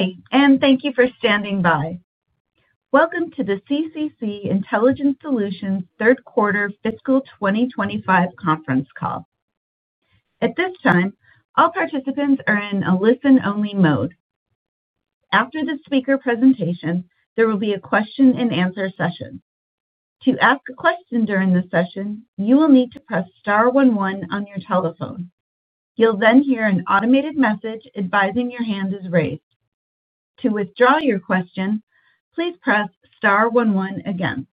Good day and thank you for standing by. Welcome to the CCC Intelligent Solutions third quarter fiscal 2025 conference call. At this time, all participants are in a listen-only mode. After the speaker presentation, there will be a question and answer session. To ask a question during the session, you will need to press star one, one on your telephone. You'll then hear an automated message advising your hand is raised. To withdraw your question, please press star one, one again.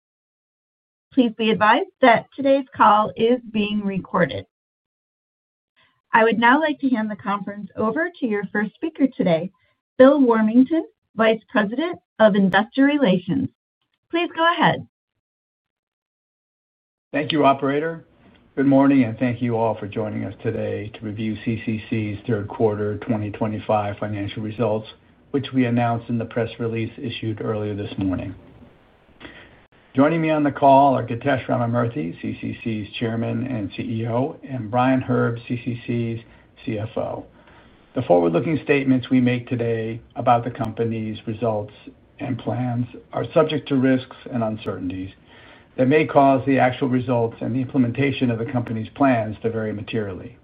Please be advised that today's call is being recorded. I would now like to hand the conference over to your first speaker today, Bill Warmington, Vice President of Investor Relations. Please go ahead. Thank you, operator. Good morning and thank you all for joining us today to review CCC's third quarter 2025 financial results, which we announced in the press release issued earlier this morning. Joining me on the call are Githesh Ramamurthy, CCC's Chairman and CEO, and Brian Herb, CCC's CFO. The forward-looking statements we make today about the Company's results and plans are subject to risks and uncertainties that may cause the actual results and the implementation of the Company's plans to vary materially.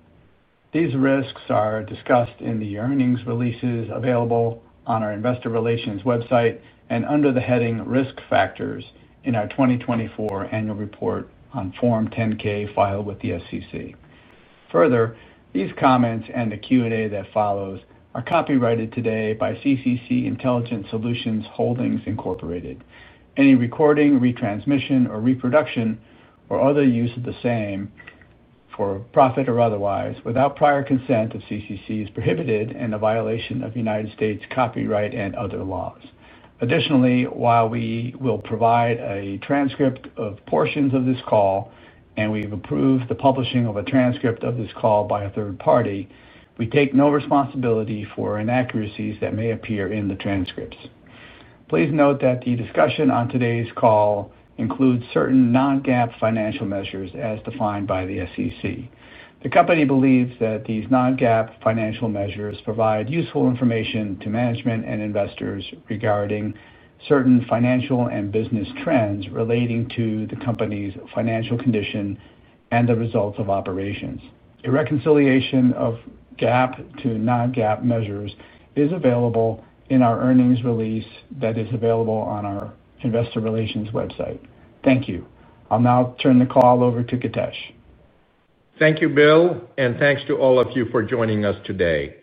These risks are discussed in the earnings releases available on our Investor Relations website and under the heading Risk Factors in our 2024 Annual Report on Form 10-K filed with the SEC. Further, these comments and the Q and A that follows are copyrighted today by CCC Intelligent Solutions Holdings Inc. Any recording, retransmission, reproduction, or other use of the same for profit or otherwise without prior consent of CCC is prohibited and a violation of United States copyright and other laws. Additionally, while we will provide a transcript of portions of this call and we've approved the publishing of a transcript of this call by a third party, we take no responsibility for inaccuracies that may appear in the transcripts. Please note that the discussion on today's call includes certain non-GAAP financial measures as defined by the SEC. The Company believes that these non-GAAP financial measures provide useful information to management and investors regarding certain financial and business trends relating to the Company's financial condition and the results of operations. A reconciliation of GAAP to non-GAAP measures is available in our earnings release that is available on our Investor Relations website. Thank you. I'll now turn the call over to Githesh. Thank you, Bill, and thanks to all of you for joining us today.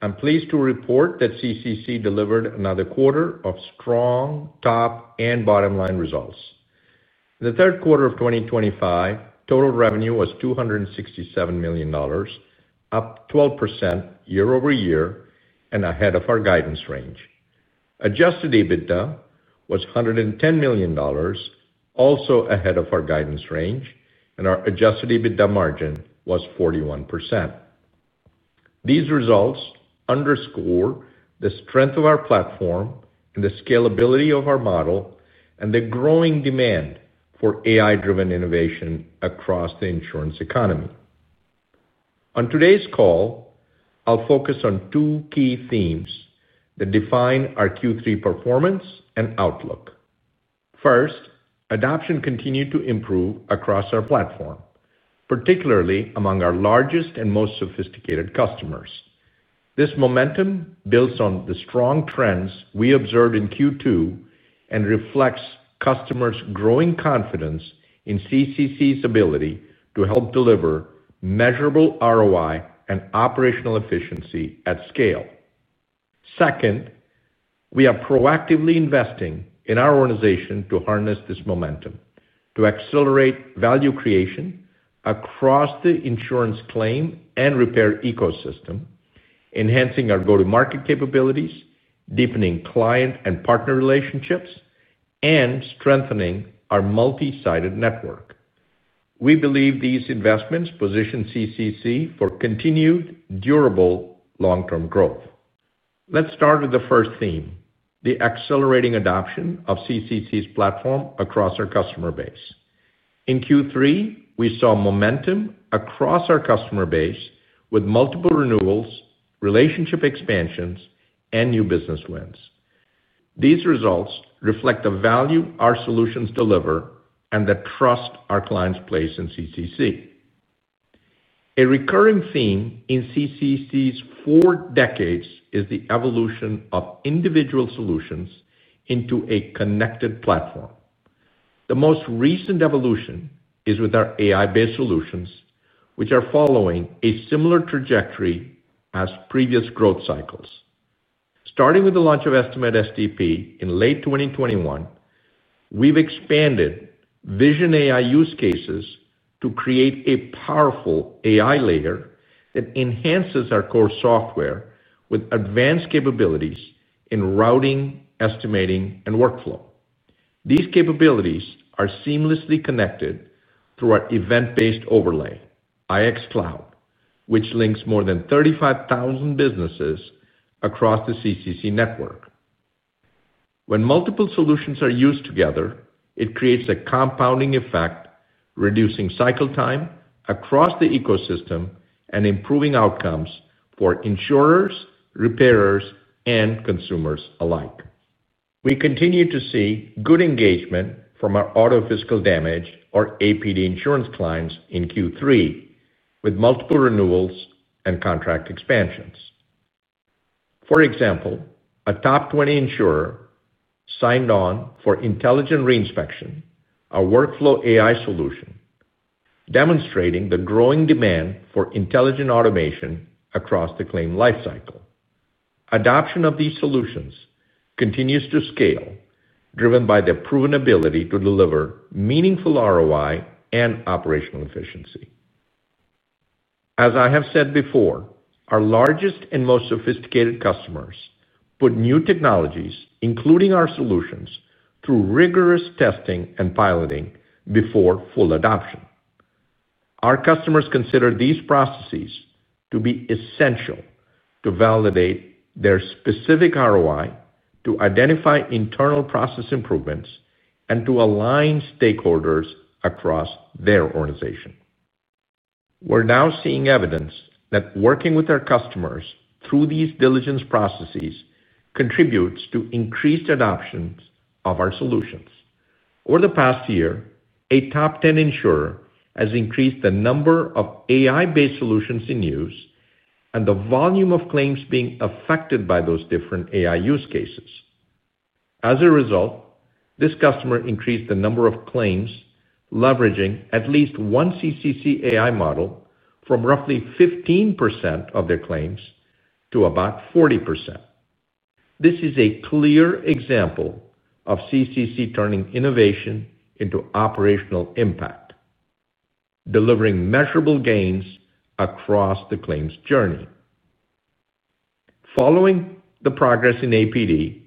I'm pleased to report that CCC delivered another quarter of strong top and bottom line results. In the third quarter of 2025, total revenue was $267 million, up 12% year over year and ahead of our guidance range. Adjusted EBITDA was $110 million, also ahead of our guidance range, and our Adjusted EBITDA margin was 41%. These results underscore the strength of our platform, the scalability of our model, and the growing demand for AI-driven innovation across the insurance economy. On today's call, I'll focus on two key themes that define our Q3 performance and outlook. First, adoption continued to improve across our platform, particularly among our largest and most sophisticated customers. This momentum builds on the strong trends we observed in Q2 and reflects customers' growing confidence in CCC's ability to help deliver measurable ROI and operational efficiency at scale. Second, we are proactively investing in our organization to harness this momentum to accelerate value creation across the insurance claim and repair ecosystem, enhancing our go-to-market capabilities, deepening client and partner relationships, and strengthening our multisided network. We believe these investments position CCC for continued durable long-term growth. Let's start with the first theme, the accelerating adoption of CCC's platform across our customer base. In Q3, we saw momentum across our customer base with multiple renewals, relationship expansions, and new business wins. These results reflect the value our solutions deliver and the trust our clients place in CCC. A recurring theme in CCC's four decades is the evolution of individual solutions into a connected platform. The most recent evolution is with our AI-infused solutions, which are following a similar trajectory as previous growth cycles. Starting with the launch of Estimate STP in late 2021, we've expanded vision AI use cases to create a powerful AI layer that enhances our core software with advanced capabilities in routing, estimating, and workflow. These capabilities are seamlessly connected through our event-based overlay IX Cloud, which links more than 35,000 businesses across the CCC network. When multiple solutions are used together, it creates a compounding effect, reducing cycle time across the ecosystem and improving outcomes for insurers, repairers, and consumers alike. We continue to see good engagement from our Auto Physical Damage (APD) insurance clients in Q3 with multiple renewals and contract expansions. For example, a top 20 insurer signed on for Intelligent Reinspection, a workflow AI solution demonstrating the growing demand for intelligent automation across the claim life cycle. Adoption of these solutions continues to scale, driven by the proven ability to deliver meaningful ROI and operational efficiency. As I have said before, our largest and most sophisticated customers put new technologies, including our solutions, through rigorous testing and piloting before full adoption. Our customers consider these processes to be essential to validate their specific ROI, to identify internal process improvements, and to align stakeholders across their organization. We're now seeing evidence that working with our customers through these diligence processes contributes to increased adoptions of our solutions. Over the past year, a top 10 insurer has increased the number of AI-infused solutions in use and the volume of claims being affected by those different AI use cases. As a result, this customer increased the number of claims leveraging at least one CCC AI model from roughly 15% of their claims to about 40%. This is a clear example of CCC turning innovation into operational impact, delivering measurable gains across the claims journey. Following the progress in APD,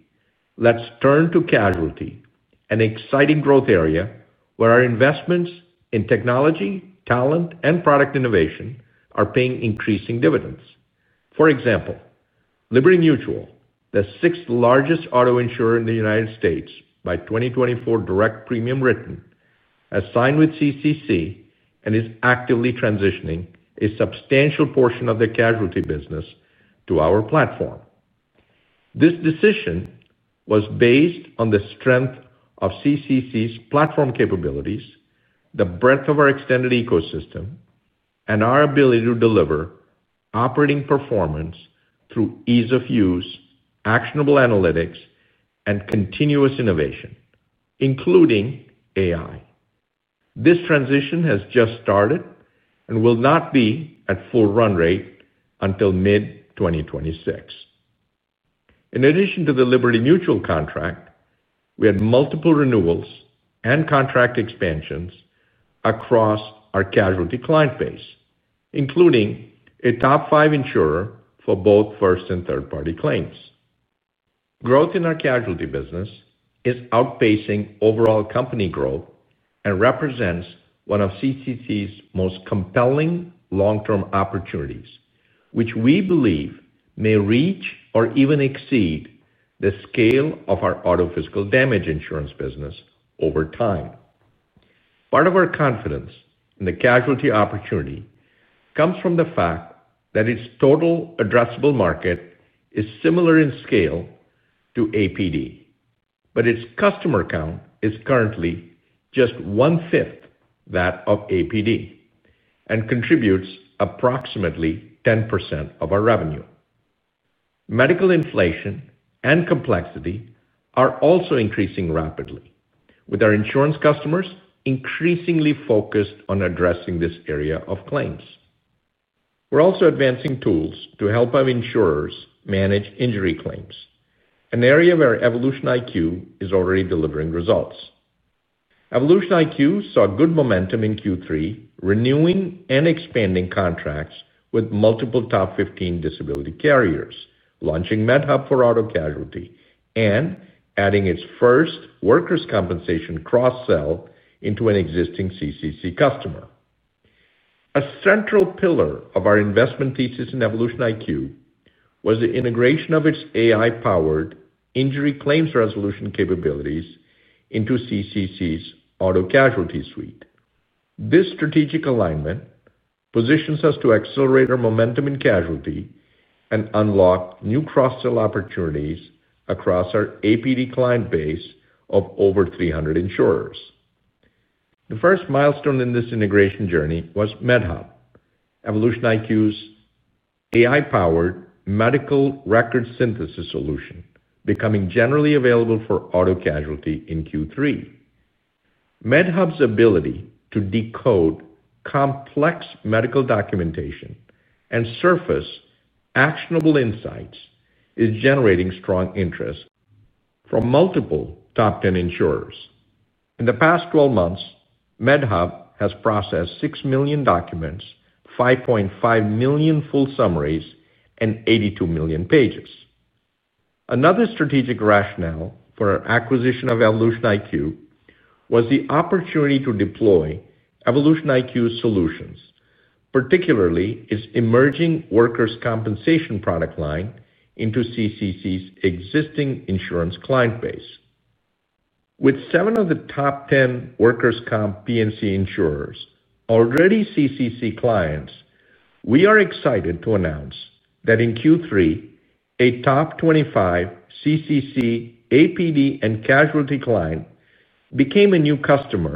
let's turn to casualty, an exciting growth area where our investments in technology, talent, and product innovation are paying increasing dividends. For example, Liberty Mutual, the sixth largest auto insurer in the United States by 2024 direct premium written, has signed with CCC and is actively transitioning a substantial portion of the casualty business to our platform. This decision was based on the strength of CCC's platform capabilities, the breadth of our extended ecosystem, and our ability to deliver operating performance through ease of use, actionable analytics, and continuous innovation, including AI. This transition has just started and will not be at full run rate until mid-2026. In addition to the Liberty Mutual contract, we had multiple renewals and contract expansions across our casualty client base, including a top five insurer for both first and third party claims. Growth in our casualty business is outpacing overall company growth and represents one of CCC's most compelling long term opportunities, which we believe may reach or even exceed the scale of our Auto Physical Damage insurance business over time. Part of our confidence in the casualty opportunity comes from the fact that its total addressable market is similar in scale to APD, but its customer count is currently just 1/5 that of APD and contributes approximately 10% of our revenue. Medical inflation and complexity are also increasing rapidly. With our insurance customers increasingly focused on addressing this area of claims, we're also advancing tools to help our insurers manage injury claims, an area where EvolutionIQ is already delivering results. EvolutionIQ saw good momentum in Q3, renewing and expanding contracts with multiple top 15 disability carriers, launching MedHub for auto casualty, and adding its first workers’ compensation cross-sell into an existing CCC customer. A central pillar of our investment thesis in EvolutionIQ was the integration of its AI-powered injury claims resolution capabilities into CCC's auto casualty suite. This strategic alignment positions us to accelerate our momentum in casualty and unlock new cross-sell opportunities across our APD client base of over 300 insurers. The first milestone in this integration journey was MedHub, EvolutionIQ’s AI-powered medical record synthesis solution, becoming generally available for auto casualty in Q3. MedHub's ability to decode complex medical documentation and surface actionable insights is generating strong interest from multiple top 10 insurers. In the past 12 months, MedHub has processed 6 million documents, 5.5 million full summaries, and 82 million pages. Another strategic rationale for our acquisition of EvolutionIQ was the opportunity to deploy EvolutionIQ solutions, particularly its emerging workers’ compensation product line, into CCC's existing insurance client base. With seven of the top 10 workers’ comp P&C insurers already CCC clients, we are excited to announce that in Q3, a top 25 CCC, APD, and casualty client became a new customer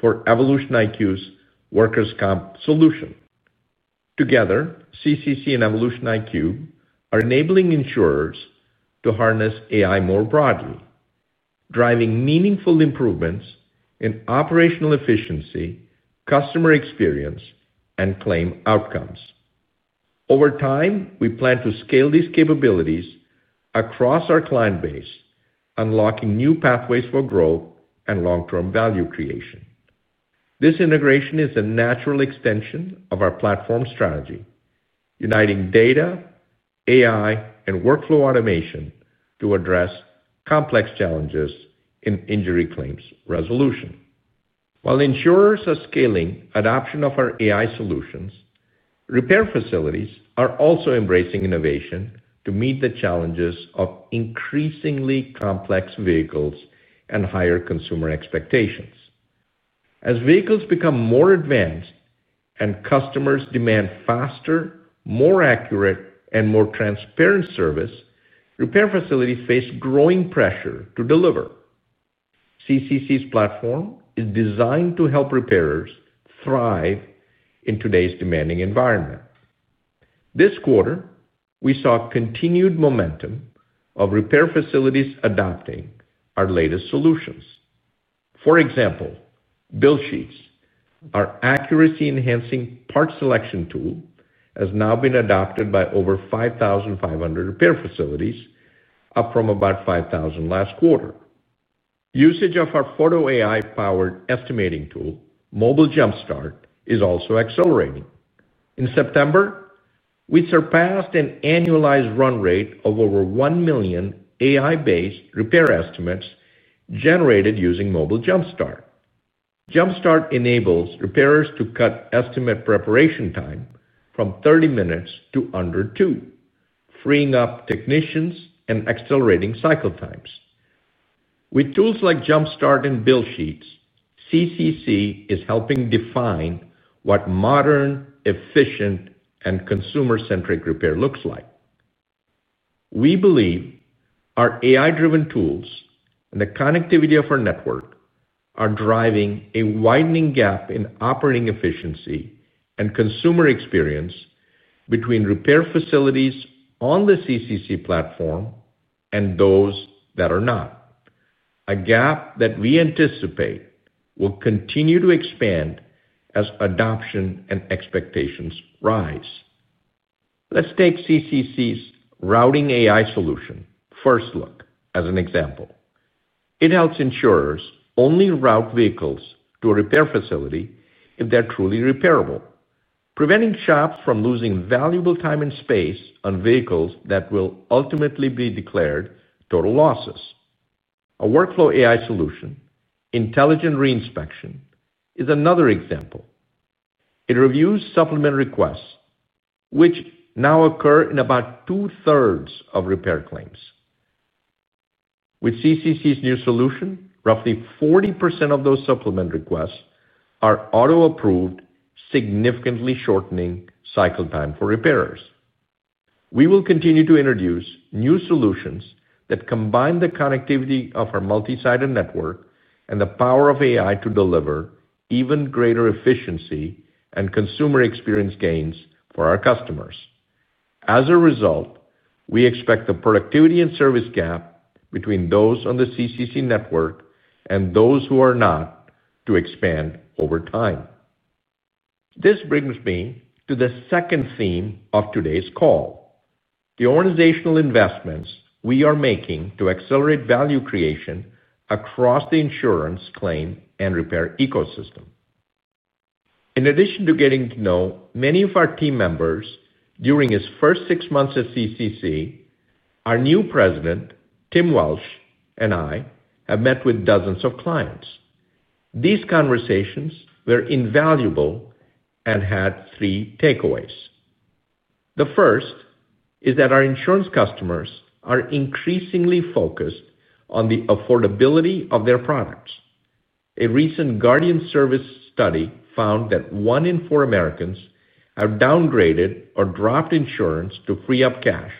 for EvolutionIQ's workers’ comp solution. Together, CCC and EvolutionIQ are enabling insurers to harness AI more broadly, driving meaningful improvements in operational efficiency, customer experience, and claim outcomes. Over time, we plan to scale these capabilities across our client base, unlocking new pathways for growth and long term value creation. This integration is a natural extension of our platform strategy, uniting data, AI, and workflow automation to address complex challenges in injury claims resolution. While insurers are scaling adoption of our AI-infused solutions, repair facilities are also embracing innovation to meet the challenges of increasingly complex vehicles and higher consumer expectations. As vehicles become more advanced and customers demand faster, more accurate, and more transparent service, repair facilities face growing pressure to deliver. CCC's platform is designed to help repairers thrive in today's demanding environment. This quarter we saw continued momentum of repair facilities adopting our latest solutions. For example, Build Sheets, our accuracy-enhancing part selection tool, has now been adopted by over 5,500 repair facilities, up from about 5,000 last quarter. Usage of our Photo AI-powered estimating tool, Mobile Jumpstart, is also accelerating. In September we surpassed an annualized run rate of over 1 million AI-based repair estimates generated using Mobile Jumpstart. Jumpstart enables repairers to cut estimate preparation time from 30 minutes to under 2, freeing up technicians and accelerating cycle times. With tools like Jumpstart and Build Sheets, CCC is helping define what modern, efficient, and consumer-centric repair looks like. We believe our AI-driven tools and the connectivity of our network are driving a widening gap in operating efficiency and consumer experience between repair facilities on the CCC platform and those that are not, a gap that we anticipate will continue to expand as adoption and expectations rise. Let's take CCC's routing AI solution, First Look, as an example. It helps insurers only route vehicles to a repair facility if they're truly repairable, preventing shops from losing valuable time and space on vehicles that will ultimately be declared total losses. A workflow AI solution, Intelligent Reinspection, is another example. It reviews supplement requests, which now occur in about two thirds of repair claims. With CCC's new solution, roughly 40% of those supplement requests are auto-approved, significantly shortening cycle time for repairers. We will continue to introduce new solutions that combine the connectivity of our multi-sided network and the power of AI to deliver even greater efficiency and consumer experience gains for our customers. As a result, we expect the productivity and service gap between those on the CCC network and those who are not to expand over time. This brings me to the second theme of today's call, the organizational investments we are making to accelerate value creation across the insurance claim and repair ecosystem. In addition to getting to know many of our team members during his first six months at CCC, our new President Tim Welsh and I have met with dozens of clients. These conversations were invaluable and had three takeaways. The first is that our insurance customers are increasingly focused on the affordability of their products. A recent Guardian Service study found that one in four Americans have downgraded or dropped insurance to free up cash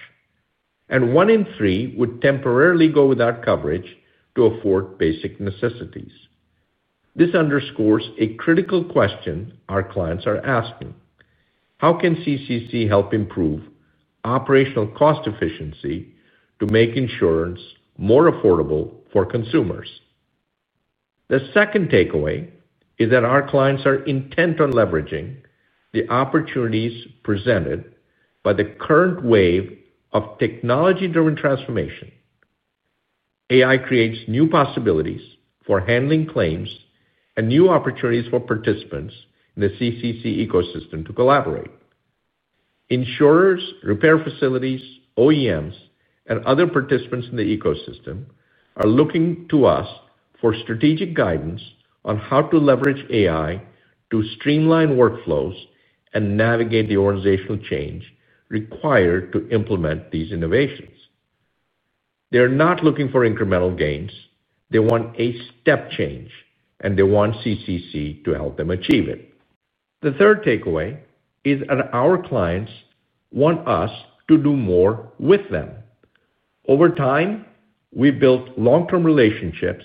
and one in three would temporarily go without coverage to afford basic necessities. This underscores a critical question clients are asking: how can CCC help improve operational cost efficiency to make insurance more affordable for consumers? The second takeaway is that our clients are intent on leveraging the opportunities presented by the current wave of technology-driven transformation. AI creates new possibilities for handling claims and new opportunities for participants in the CCC ecosystem to collaborate. Insurers, repair facilities, OEMs, and other participants in the ecosystem are looking to us for strategic guidance on how to leverage AI to streamline workflows and navigate the organizational change required to implement these innovations. They are not looking for incremental gains, they want a step change and they want CCC to help them achieve it. The third takeaway is that our clients want us to do more with them over time. We built long-term relationships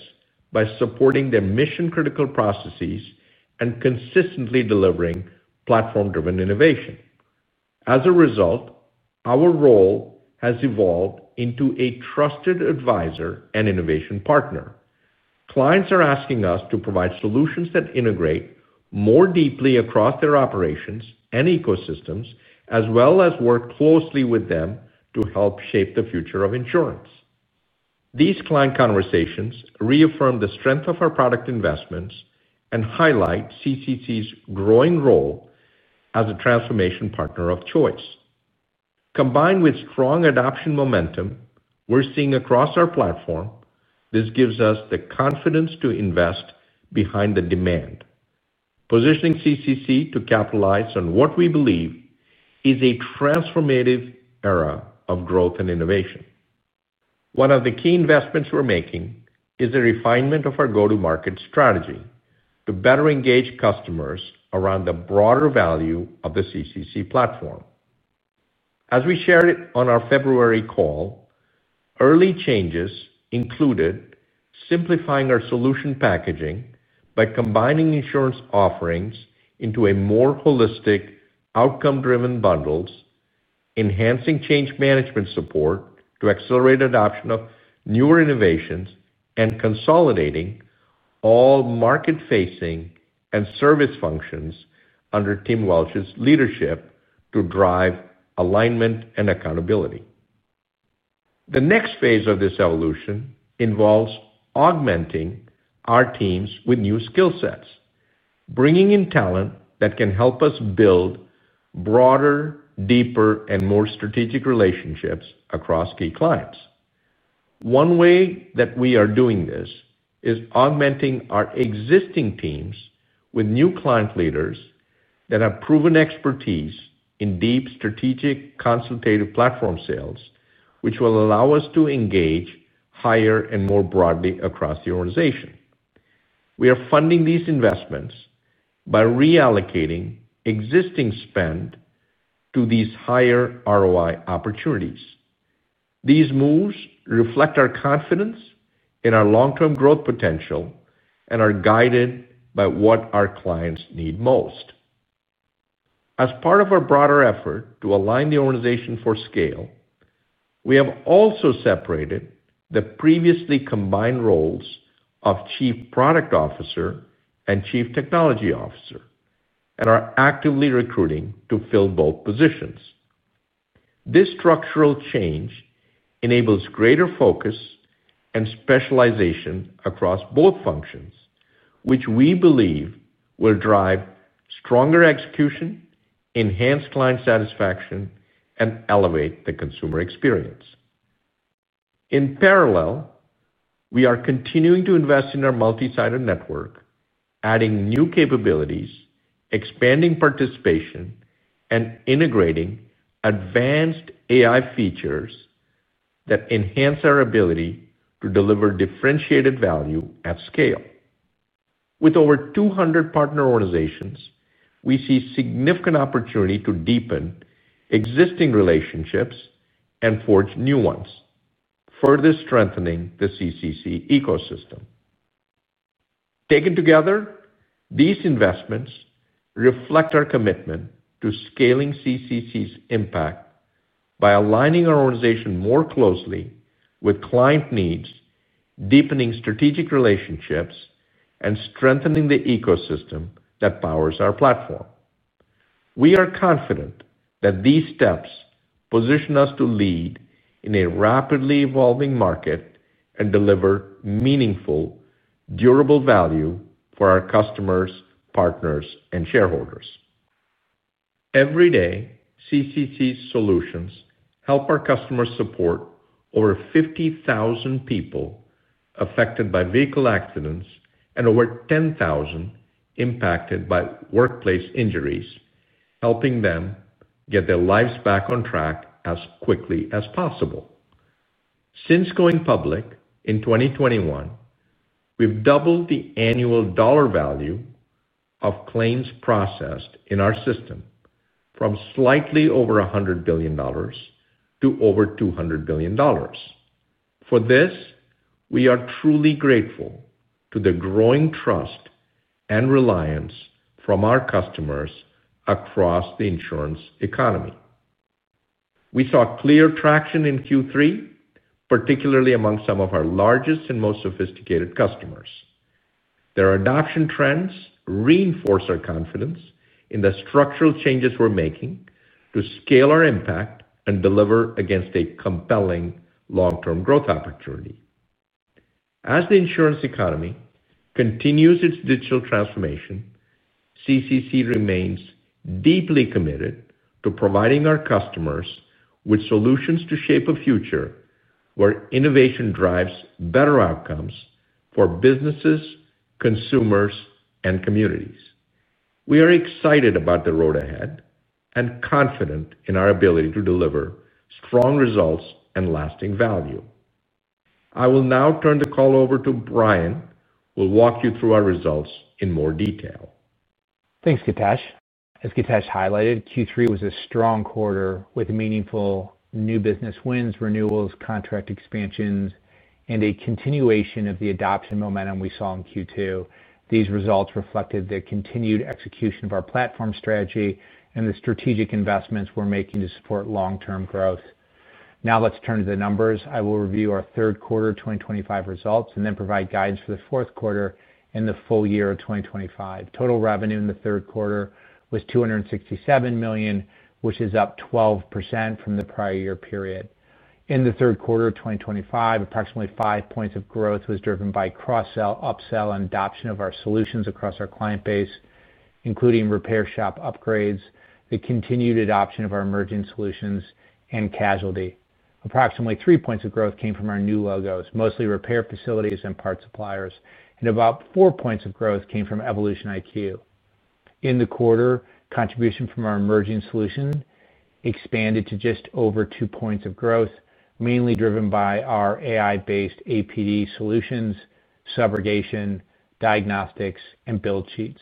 by supporting their mission-critical processes and consistently delivering platform-driven innovation. As a result, our role has evolved into a trusted advisor and innovation partner. Clients are asking us to provide solutions that integrate more deeply across their operations and ecosystems as well as work closely with them to help shape the future of insurance. These client conversations reaffirm the strength of our product investments and highlight CCC's growing role as a transformation partner of choice. Combined with strong adoption momentum we're seeing across our platform, this gives us the confidence to invest behind the demand, positioning CCC to capitalize on what we believe is a transformative era of growth and innovation. One of the key investments we're making is a refinement of our go-to-market strategy to better engage customers around the broader value of the CCC platform. As we shared on our February call, early changes included simplifying our solution packaging by combining insurance offerings into more holistic, outcome-driven bundles, enhancing change management support to accelerate adoption of newer innovations, and consolidating all market-facing and service functions under Team Welsh's leadership to drive alignment and accountability. The next phase of this evolution involves augmenting our teams with new skill sets, bringing in talent that can help us build broader, deeper, and more strategic relationships across key clients. One way that we are doing this is augmenting our existing teams with new client leaders that have proven expertise in deep, strategic, consultative platform sales, which will allow us to engage higher and more broadly across the organization. We are funding these investments by reallocating existing spend to these higher ROI opportunities. These moves reflect our confidence in our long-term growth potential and are guided by what our clients need most. As part of our broader effort to align the organization for scale, we have also separated the previously combined roles of Chief Product Officer and Chief Technology Officer and are actively recruiting to fill both positions. This structural change enables greater focus and specialization across both functions, which we believe will drive stronger execution, enhanced client satisfaction, and elevate the consumer experience. In parallel, we are continuing to invest in our multisite network, adding new capabilities, expanding participation, and integrating advanced AI features that enhance our ability to deliver differentiated value at scale. With over 200 partner organizations, we see significant opportunity to deepen existing relationships and forge new ones, further strengthening the CCC ecosystem. Taken together, these investments reflect our commitment to scaling CCC's impact by aligning our organization more closely with client needs, deepening strategic relationships, and strengthening the ecosystem that powers our platform. We are confident that these steps position us to lead in a rapidly evolving market and deliver meaningful, durable value for our customers, partners, and shareholders. Every day, CCC's solutions help our customers support over 50,000 people affected by vehicle accidents and over 10,000 impacted by workplace injuries, helping them get their lives back on track as quickly as possible. Since going public in 2021, we've doubled the annual dollar value of claims processed in our system from slightly over $100 billion to over $200 billion. For this, we are truly grateful to the growing trust and reliance from our customers across the insurance economy. We saw clear traction in Q3, particularly among some of our largest and most sophisticated customers. Their adoption trends reinforce our confidence in the structural changes we're making to scale our impact and deliver against a compelling long-term growth opportunity. As the insurance economy continues its digital transformation, CCC remains deeply committed to providing our customers with solutions to shape a future where innovation drives better outcomes for businesses, consumers, and communities. We are excited about the road ahead and confident in our ability to deliver strong results and lasting value.I will now turn the call over to Brian, who will walk you through our results in more detail. Thanks, Githesh. As Githesh highlighted, Q3 was a strong quarter with meaningful new business wins, renewals, contract expansions, and a continuation of the adoption momentum we saw in Q2. These results reflected the continued execution of our platform strategy and the strategic investments we're making to support long-term growth. Now let's turn to the numbers. I will review our third quarter 2025 results and then provide guidance for the fourth quarter and the full year of 2025. Total revenue in the third quarter was $267 million, which is up 12% from the prior year period. In the third quarter of 2025, approximately 5 points of growth was driven by cross-sell, upsell, and adoption of our solutions across our including repair shop upgrades, the continued adoption of our emerging solutions, and casualty. Approximately 3 points of growth came from our new logos, mostly repair facilities and part suppliers, and about 4 points of growth came from EvolutionIQ. In the quarter, contribution from our emerging solutions expanded to just over 2 points of growth, mainly driven by our AI-infused APD solutions, subrogation, diagnostics, and build sheets.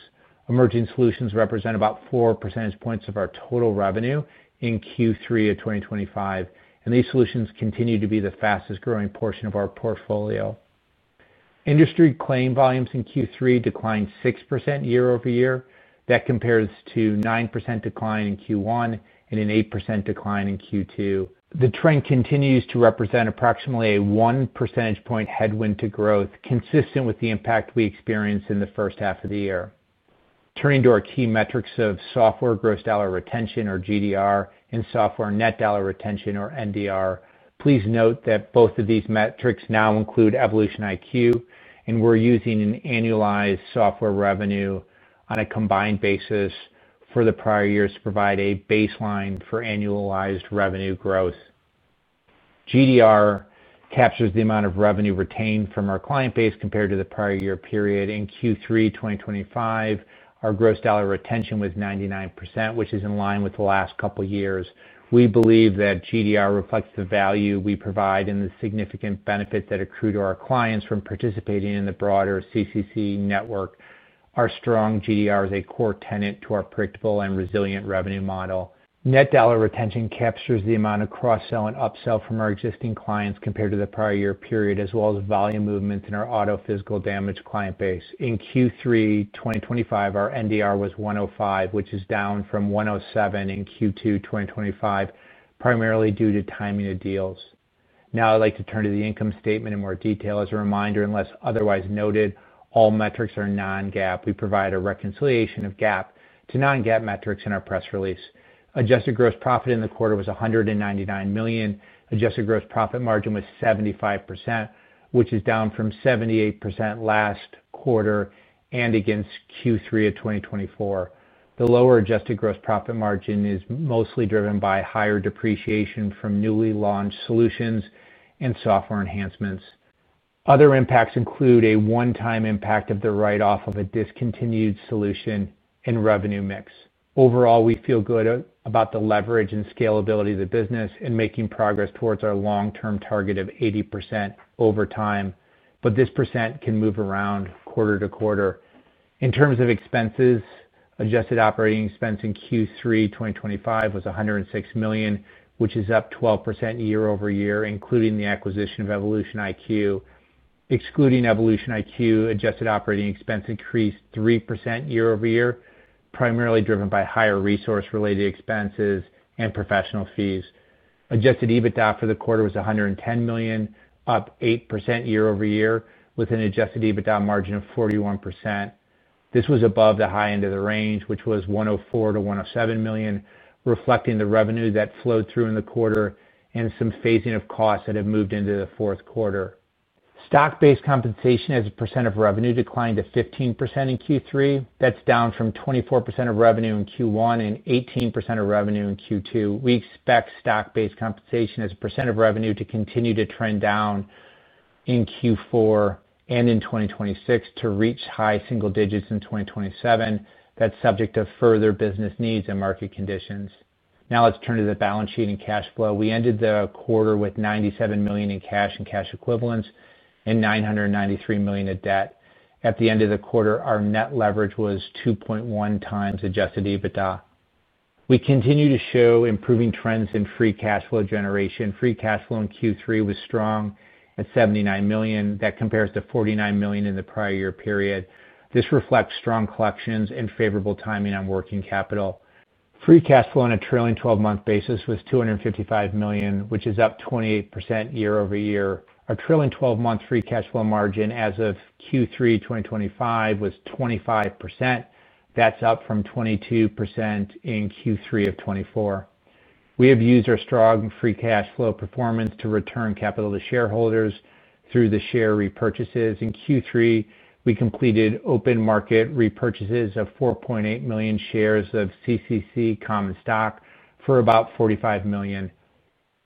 Emerging solutions represent about 4 percentage points of our total revenue in Q3 of 2025, and these solutions continue to be the fastest growing portion of our portfolio. Industry claim volumes in Q3 declined 6% year over year. That compares to a 9% decline in Q1 and an 8% decline in Q2. The trend continues to represent approximately a 1 percentage point headwind to growth, consistent with the impact we experienced in the first half of the year. Turning to our key metrics of software gross dollar retention, or GDR, and software net dollar retention, or NDR. Please note that both of these metrics now include EvolutionIQ, and we're using an annualized software revenue on a combined basis for the prior years to provide a baseline for annualized revenue growth. GDR captures the amount of revenue retained from our client base compared to the prior year period. In Q3 2025, our gross dollar retention was 99%, which is in line with the last couple of years. We believe that GDR reflects the value we provide and the significant benefits that accrue to our clients from participating in the broader CCC network. Our strong GDR is a core tenet to our predictable and resilient revenue model. Net dollar retention captures the amount of cross-sell and upsell from our existing clients compared to the prior year period as well as volume movements in our Auto Physical Damage client base. In Q3 2025, our NDR was 105, down from 107 in Q2 2025, primarily due to timing of deals. Now I'd like to turn to the income statement in more detail. As a reminder, unless otherwise noted, all metrics are non-GAAP. We provide a reconciliation of GAAP to non-GAAP metrics in our press release. Adjusted gross profit in the quarter was $199 million. Adjusted gross profit margin was 75%, which is down from 78% last quarter and against Q3 of 2024. The lower adjusted gross profit margin is mostly driven by higher depreciation from newly launched solutions and software enhancements. Other impacts include a one-time impact of the write-off of a discontinued solution and revenue mix. Overall, we feel good about the leverage and scalability of the business and making progress towards our long-term target of 80% over time, but this percent can move around quarter to quarter. In terms of expenses, adjusted operating expense in Q3 2025 was $106 million, which is up 12% year over year including the acquisition of EvolutionIQ. Excluding EvolutionIQ, adjusted operating expense increased 3% year over year, primarily driven by higher resource-related expenses and professional fees. Adjusted EBITDA for the quarter was $110 million, up 8% year over year with an Adjusted EBITDA margin of 41%. This was above the high end of the range, which was $104 to $107 million, reflecting the revenue that flowed through in the quarter and some phasing of costs that have moved into the fourth quarter. Stock-based compensation as a percent of revenue declined to 15% in Q3. That's down from 24% of revenue in Q1 and 18% of revenue in Q2. We expect stock-based compensation as a percent of revenue to continue to trend down in Q4 and in 2026 to reach high single digits in 2027. That's subject to further business needs and market conditions. Now let's turn to the balance sheet and cash flow. We ended the quarter with $97 million in cash and cash equivalents and $993 million of debt. At the end of the quarter, our net leverage was 2.1 times Adjusted EBITDA. We continue to show improving trends in free cash flow generation. Free cash flow in Q3 was strong at $79 million. That compares to $49 million in the prior year period. This reflects strong collections and favorable timing on working capital. Free cash flow on a trailing twelve month basis was $255 million, which is up 28% year over year. Our trailing twelve month free cash flow margin as of Q3 2025 was 25%. That's up from 22% in Q3 of 2024. We have used our strong free cash flow performance to return capital to shareholders through the share repurchases. In Q3, we completed open market repurchases of 4.8 million shares of CCC common stock for about $45 million.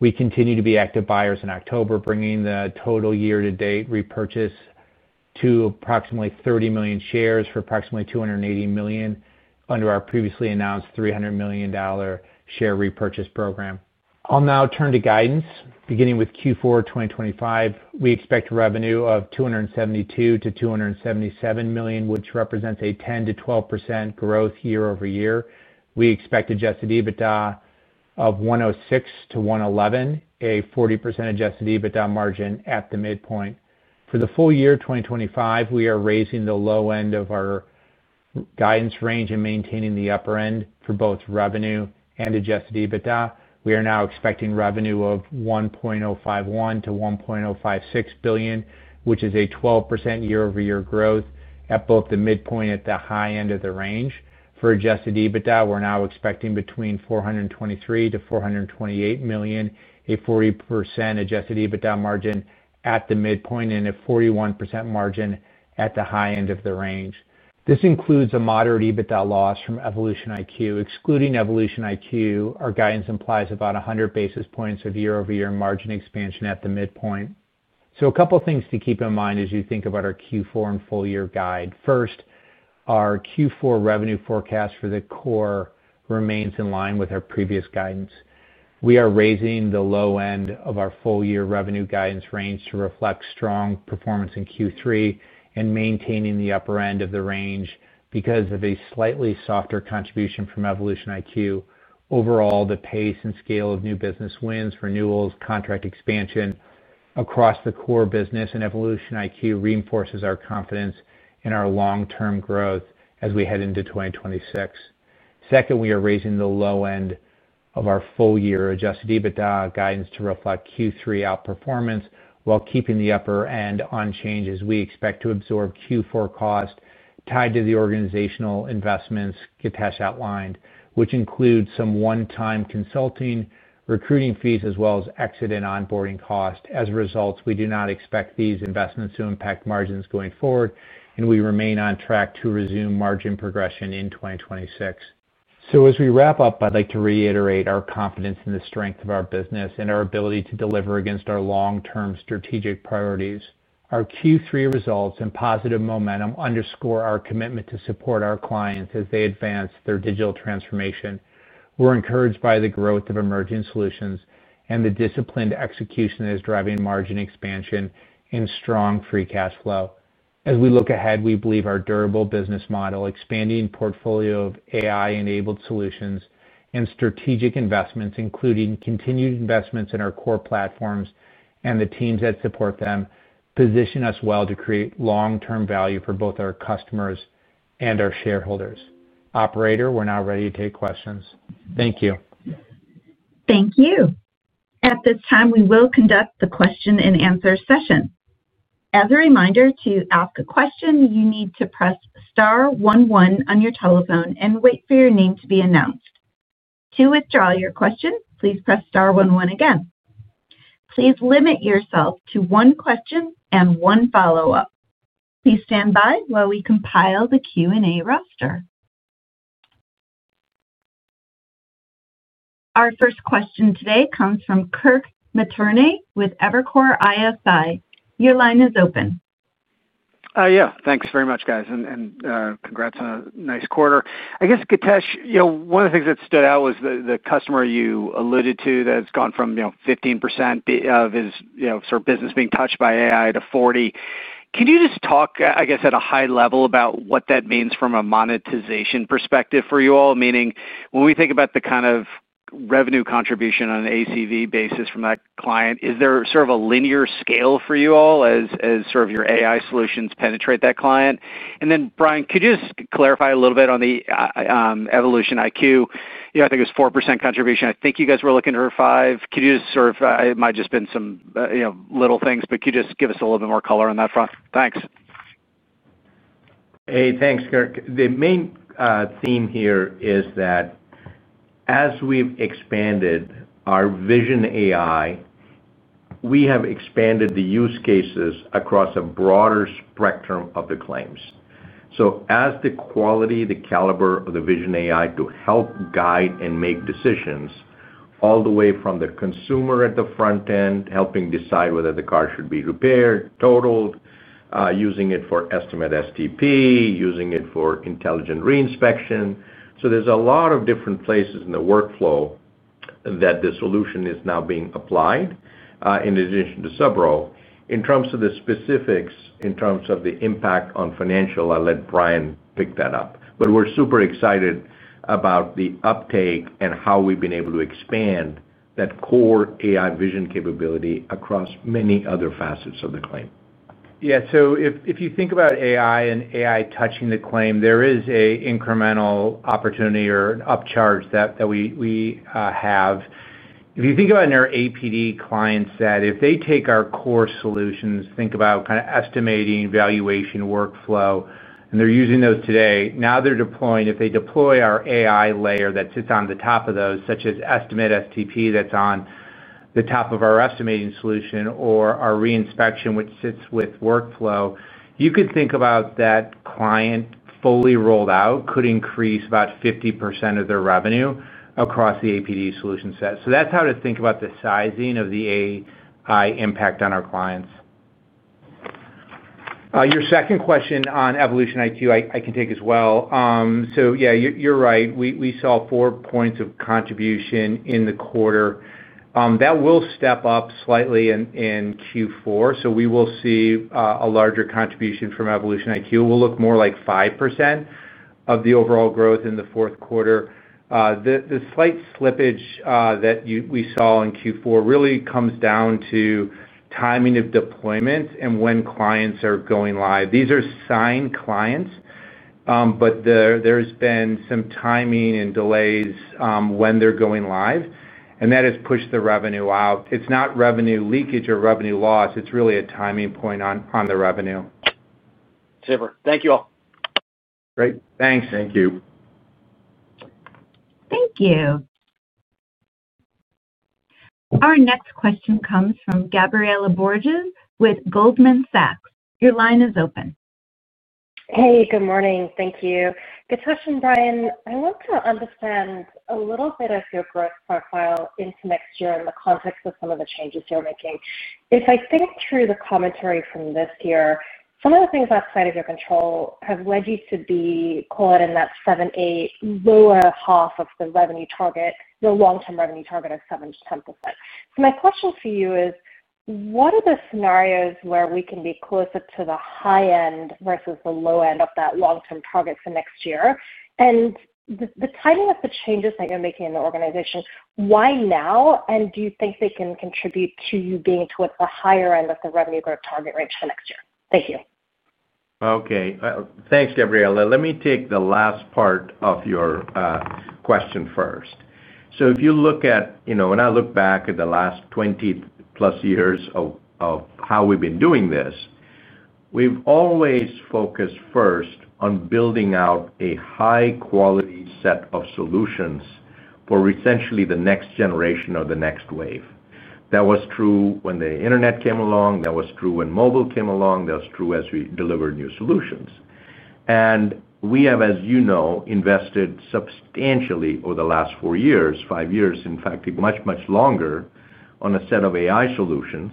We continue to be active buyers in October, bringing the total year to date repurchase to approximately 30 million shares for approximately $280 million under our previously announced $300 million share repurchase program. I'll now turn to guidance. Beginning with Q4 2025, we expect revenue of $272 to $277 million, which represents a 10% to 12% growth year over year. We expect Adjusted EBITDA of $106 to $111 million, a 40% Adjusted EBITDA margin at the midpoint. For the full year 2025, we are raising the low end of our guidance range and maintaining the upper end for both revenue and Adjusted EBITDA. We are now expecting revenue of $1.051 to $1.056 billion, which is a 12% year over year growth at both the midpoint and at the high end of the range. For Adjusted EBITDA, we're now expecting between $423-$428 million, a 40% Adjusted EBITDA margin at the midpoint and a 41% margin at the high end of the range. This includes a moderate EBITDA loss from EvolutionIQ. Excluding EvolutionIQ, our guidance implies about 100 basis points of year over year margin expansion at the midpoint. A couple things to keep in mind as you think about our Q4 and full year guide. First, our Q4 revenue forecast for the Core remains in line with our previous guidance. We are raising the low end of our full year revenue guidance range to reflect strong performance in Q3 and maintaining the upper end of the range because of a slightly softer contribution from EvolutionIQ. Overall, the pace and scale of new business wins, renewals, contract expansion across the core business and EvolutionIQ reinforces our confidence in our long term growth as we head into 2026. Second, we are raising the low end of our full yearAdjusted EBITDA guidance to reflect Q3 outperformance while keeping the upper end unchanged as we expect to absorb Q4 cost tied to the organizational investments Githesh outlined, which includes some one time consulting recruiting fees as well as exit and onboarding cost. As a result, we do not expect these investments to impact margins going forward, and we remain on track to resume margin progression in 2026. As we wrap up, I'd like to reiterate our confidence in the strength of our business and our ability to deliver against our long-term strategic priorities. Our Q3 results and positive momentum underscore our commitment to support our clients as they advance their digital transformation. We're encouraged by the growth of emerging solutions and the disciplined execution that is driving margin expansion and strong free cash flow. As we look ahead, we believe our durable business model, expanding portfolio of AI-infused solutions, and strategic investments, including continued investments in our core platforms and the teams that support them, position us well to create long-term value for both our customers and our shareholders. Operator, we're now ready to take questions. Thank you. Thank you. At this time, we will conduct the question and answer session. As a reminder, to ask a question, you need to press star one, one on your telephone and wait for your name to be announced. To withdraw your question, please press Star 11 again. Please limit yourself to one question and one follow-up. Please stand by while we compile the Q and A roster. Our first question today comes from Kirk Materne with Evercore ISI. Your line is open. Yeah, thanks very much guys, and congrats on a nice quarter. I guess Githesh, one of the things that stood out was the customer you alluded to that's gone from 15% of his business being touched by AI to 40%. Can you just talk, I guess at a high level about what that means from a monetization perspective for you all? Meaning when we think about the kind of revenue contribution on an ACV basis from that client, is there sort of a linear scale for you all as your AI-infused solutions penetrate that client? Brian, could you just clarify a little bit on the EvolutionIQ? I think it was 4% contribution. I think you guys were looking to reach five. Could you sort of—it might just have been some little things. Could you just give us a little bit more color on that front. Thanks. Hey, thanks, Kirk. The main theme here is that as we've expanded our vision AI, we have expanded the use cases across a broader spectrum of the claims. As the quality, the caliber of the vision AI to help guide and make decisions all the way from the consumer at the front end, helping decide whether the car should be repaired or totaled, using it for Estimate STP, using it for Intelligent Reinspection, there's a lot of different places in the workflow that the solution is now being applied in addition to subro. In terms of the specifics, in terms of the impact on financial, I'll let Brian pick that up. We're super excited about the uptake and how we've been able to expand that core AI vision capability across many other facets of the claim. Yeah, if you think about AI and AI touching the claim, there is an incremental opportunity or upcharge that we have. If you think about in our APD clients that if they take our core solutions, think about kind of estimating, valuation, workflow, and they're using those today, now they're deploying. If they deploy our AI layer that sits on the top of those, such as Estimate STP, that's on the top of our estimating solution, or our Intelligent Reinspection, which sits with workflow, you could think about that client fully rolled out, could increase about 50% of their revenue across the APD solution set. That's how to think about the sizing of the AI impact on our clients. Your second question on EvolutionIQ I can take as well. You're right. We saw four points of contribution in the quarter that will step up slightly in Q4. We will see a larger contribution from EvolutionIQ. It will look more like 5% of the overall growth in the fourth quarter. The slight slippage that we saw in Q4 really comes down to timing of deployments and when clients are going live. These are signed clients, but there's been some timing and delays when they're going live, and that has pushed the revenue out. It's not revenue leakage or revenue loss. It's really a timing point on the revenue silver. Thank you all. Great thanks. Thank you. Thank you. Our next question comes from Gabriela Borges with Goldman Sachs. Your line is open. Hey, good morning. Thank you. Githesh and Brian. I want to understand a little bit of your growth profile into next year in the context of some of the changes you're making. If I think through the commentary from this year, some of the things outside of your control have led you to be, call it in that 7, 8, lower half of the revenue target, your long term revenue target of 7 to 10%. My question for you is, what are the scenarios where we can be closer to the high end versus the low end of that long term target for next year and the timing of the changes that you're making in the organization, why now? Do you think they can contribute to you being towards the higher end of the revenue growth target range for next year? Thank you. Okay, thanks Gabriela. Let me take the last part of your question first. If you look at, you know, when I look back at the last 20 plus years of how we've been doing this, we've always focused first on building out a high-quality set of solutions for essentially the next generation or the next wave. That was true when the Internet came along, that was true when mobile came along. That was true as we delivered new solutions. We have, as you know, invested substantially over the last four years, five years in fact, much, much longer on a set of AI-infused solutions.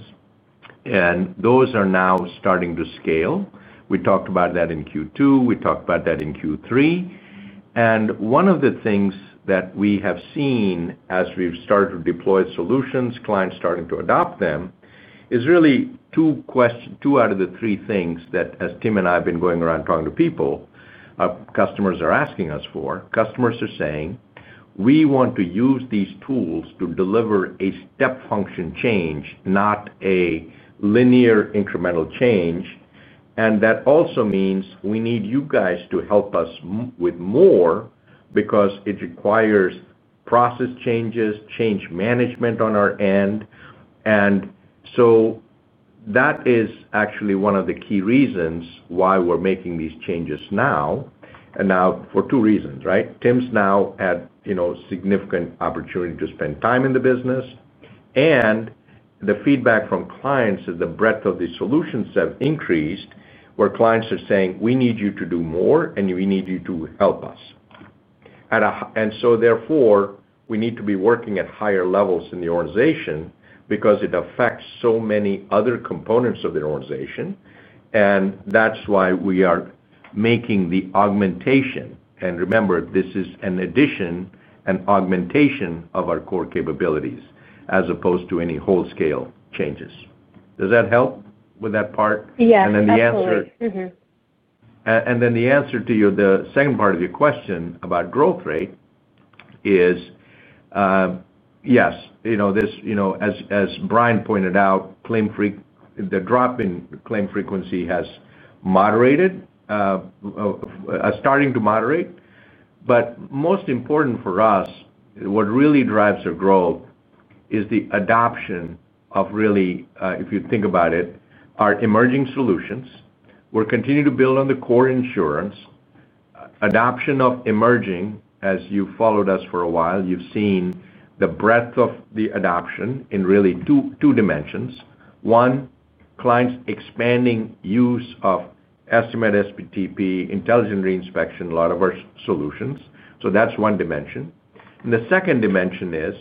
Those are now starting to scale. We talked about that in Q2, we talked about that in Q3. One of the things that we have seen as we've started to deploy solutions, clients starting to adopt them, is really two out of the three things that as Tim and I have been going around talking to people, customers are asking us for. Customers are saying we want to use these tools to deliver a step function change, not a linear incremental change. That also means we need you guys to help us with more because it requires process changes, change management on our end. That is actually one of the key reasons why we're making these changes now. Now for two reasons, right? Tim's now had significant opportunity to spend time in the business and the feedback from clients that the breadth of the solutions have increased. Clients are saying we need you to do more and we need you to help us. Therefore, we need to be working at higher levels in the organization because it affects so many other components of the organization. That's why we are making the augmentation. Remember, this is an addition, an augmentation of our core capabilities as opposed to any whole scale changes. Does that help with that part? Yes. The answer to the second part of your question about growth rate is yes, as Brian pointed out, claim frequency, the drop in claim frequency has started to moderate. Most important for us, what really drives our growth is the adoption of, really, if you think about it, our emerging solutions. We're continuing to build on the core insurance adoption of emerging. As you followed us for a while, you've seen the breadth of the adoption in really two dimensions. One, clients expanding use of Estimate STP, Intelligent Reinspection, a lot of our solutions. That's one dimension. The second dimension is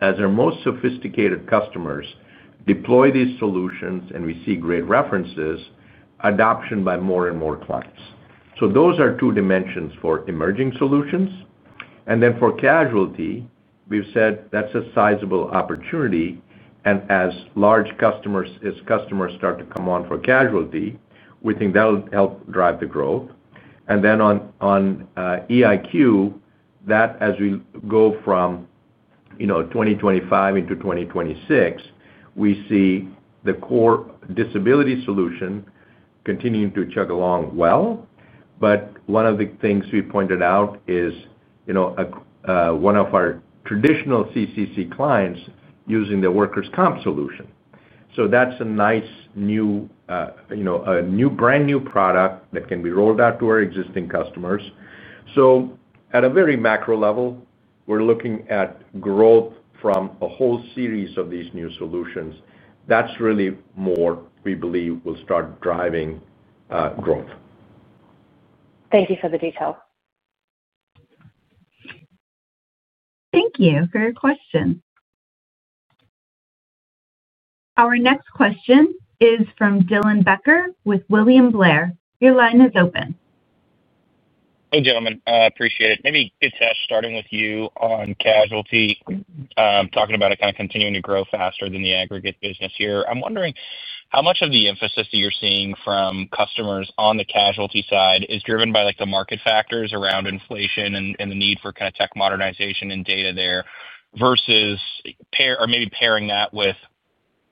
as our most sophisticated customers deploy these solutions, we see great references and adoption by more and more clients. Those are two dimensions for emerging solutions. For casualty, we've said that's a sizable opportunity, and as large customers start to come on for casualty, we think that will help drive the growth. On EvolutionIQ, as we go from 2025 into 2026, we see the core disability solution continuing to chug along well. One of the things we pointed out is one of our traditional CCC clients using the workers’ compensation solution. That's a nice, brand new product that can be rolled out to our existing customers. At a very macro level, we're looking at growth from a whole series of these new solutions. That's really more we believe will start driving growth. Thank you for the detail. Thank you for your question. Our next question is from Dylan Becker with William Blair. Your line is open. Hey gentlemen. Appreciate it. Maybe good touch. Starting with you on casualty, talking about it kind of continuing to grow faster than the aggregate business here. I'm wondering how much of the emphasis that you're seeing from customers on the casualty side is driven by the market factors around inflation and the need for kind of tech modernization and data there versus maybe pairing that with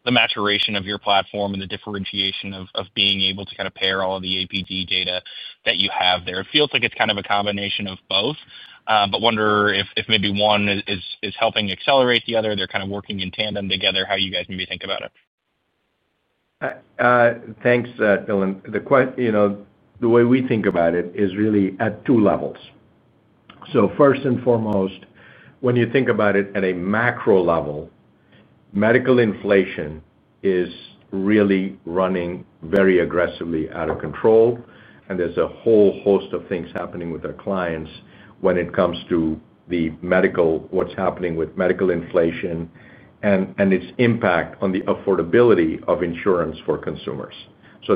the maturation of your platform and the differentiation of being able to kind of pair all of the APD data that you have there. It feels like it's kind of a combination of both. I wonder if maybe one is helping accelerate the other. They're kind of working in tandem together how you guys may think about it. Thanks, Dylan. The way we think about it is really at two levels. First and foremost, when you think about it at a macro level, medical inflation is really running very aggressively out of control, and there's a whole host of things happening with our clients when it comes to what's happening with medical inflation and its impact on the affordability of insurance for consumers.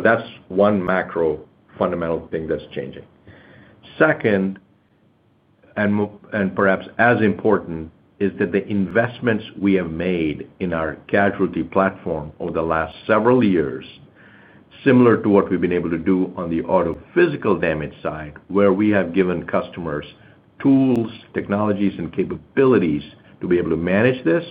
That's one macro fundamental thing that's changing. Second, and perhaps as important, is that the investments we have made in our casualty platform over the last several years, similar to what we've been able to do on the Auto Physical Damage side where we have given customers tools, technologies, and capabilities to be able to manage this,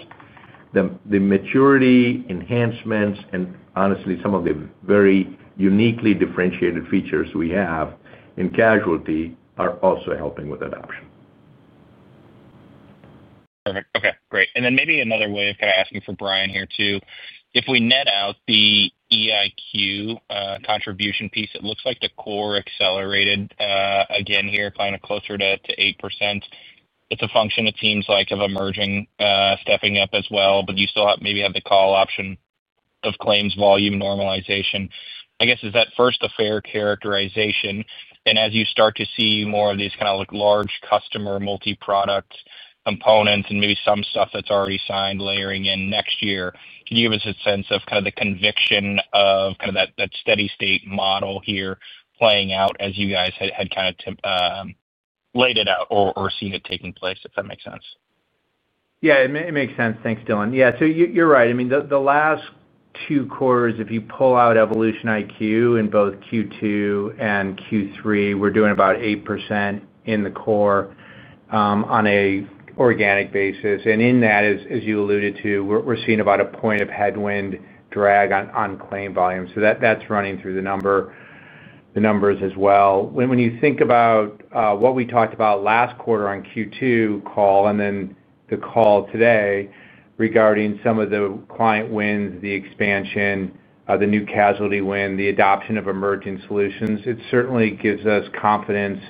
the maturity enhancements, and honestly some of the very uniquely differentiated features we have in casualty are also helping with adoption. Perfect. Okay, great. Maybe another way of kind of asking for Brian here too. If we net out the EvolutionIQ contribution piece, it looks like the core accelerated again here, kind of closer to 8%. It's a function, it seems like, of emerging stepping up as well. You still maybe have the call option of claims volume normalization, I guess. Is that first a fair characterization? As you start to see more of these kind of large customer multi-product components and maybe some stuff that's already signed layering in next year, can you give us a sense of kind of the conviction of that steady state model here playing out as you guys had laid it out or seen it taking place if that makes sense. Yeah, it makes sense. Thanks, Dylan. Yeah, you're right. I mean the last two quarters, if you pull out EvolutionIQ in both Q2 and Q3, we're doing about 8% in the core on an organic basis. In that, as you alluded to, we're seeing about a point of headwind drag on claim volume. That's running through the numbers as well. When you think about what we talked about last quarter on the Q2 call and then the call today regarding some of the client wins, the expansion, the new casualty win, the adoption of emerging solutions, it certainly gives us confidence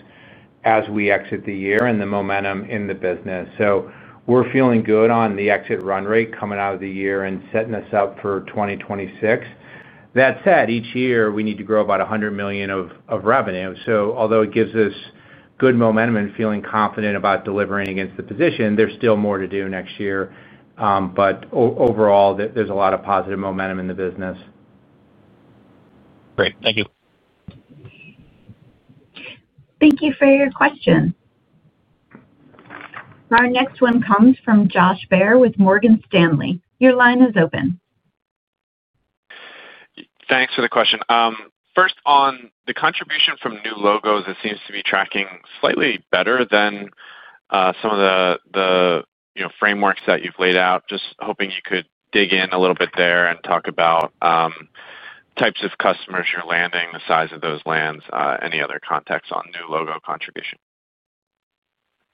as we exit the year and the momentum in the business. We're feeling good on the exit run rate coming out of the year and setting us up for 2026. That said, each year we need to grow about $100 million of revenue. Although it gives us good momentum and feeling confident about delivering against the position, there's still more to do next year. Overall, there's a lot of positive momentum in the business. Great, thank you. Thank you for your question. Our next one comes from Josh Baer with Morgan Stanley. Your line is open. Thanks for the question. First, on the contribution from new logos it seems to be tracking slightly better than some of the frameworks that you've laid out. Just hoping you could dig in a little bit there and talk about types of customers you're landing, the size of those lands. Any other context on new logo contribution?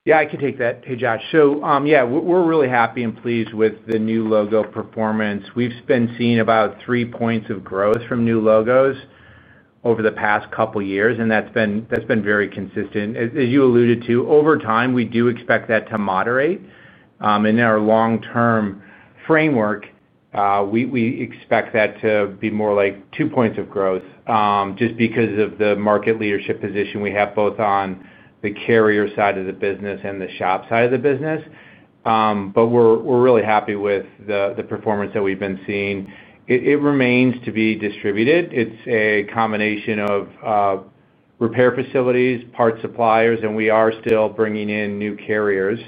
Yes, I can take that. Hey Josh. Yes, we're really happy and pleased with the new logo performance. We've been seeing about 3% of growth from new logos over the past couple years, and that's been very consistent as you alluded to over time. We do expect that to moderate in our long-term framework. We expect that to be more like 2% of growth, just because of the market leadership position we have both on the carrier side of the business and the shop side of the business. We're really happy with the performance that we've been seeing. It remains to be distributed. It's a combination of repair facilities, parts suppliers, and we are still bringing in new carriers.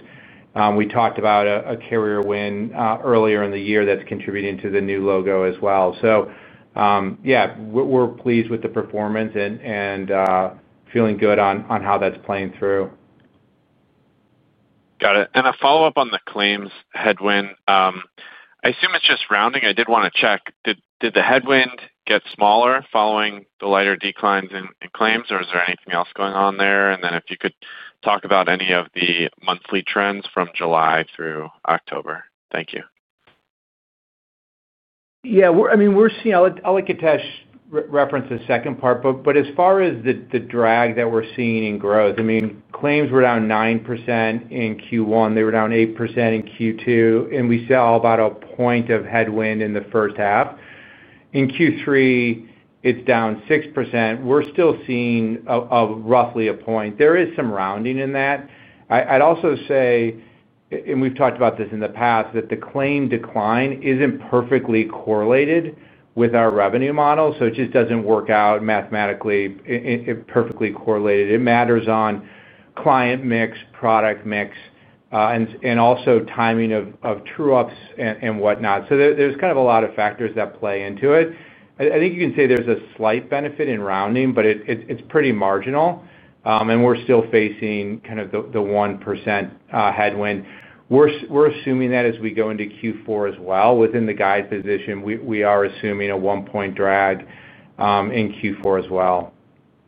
We talked about a carrier win earlier in the year that's contributing to the new logo as well. We're pleased with the performance and feeling good on how that's playing through. Got it. A follow up on the claims headwind. I assume it's just rounding. I did want to check, did the headwinds get smaller following the lighter declines in claims or is there anything else going on there? If you could talk about any of the monthly trends from July through October. Thank you. Yeah, I mean we're seeing. As far as the drag that we're seeing in growth, I mean claims were down 9% in Q1, they were down 8% in Q2, and we saw about a point of headwind in the first half. In Q3, it's down 6%. We're still seeing roughly a point. There is some rounding in that. I'd also say, and we've talked about this in the past, that the claim decline isn't perfectly correlated with our revenue model. It just doesn't work out mathematically perfectly correlated. It matters on client mix, product mix, and also timing of true ups and whatnot. There's kind of a lot of factors that play into it. I think you can say there's a slight benefit in rounding, but it's pretty marginal. We're still facing kind of the 1% headwind. We're assuming that as we go into Q4 as well. Within the guide position, we are assuming a 1 point drag in Q4 as well.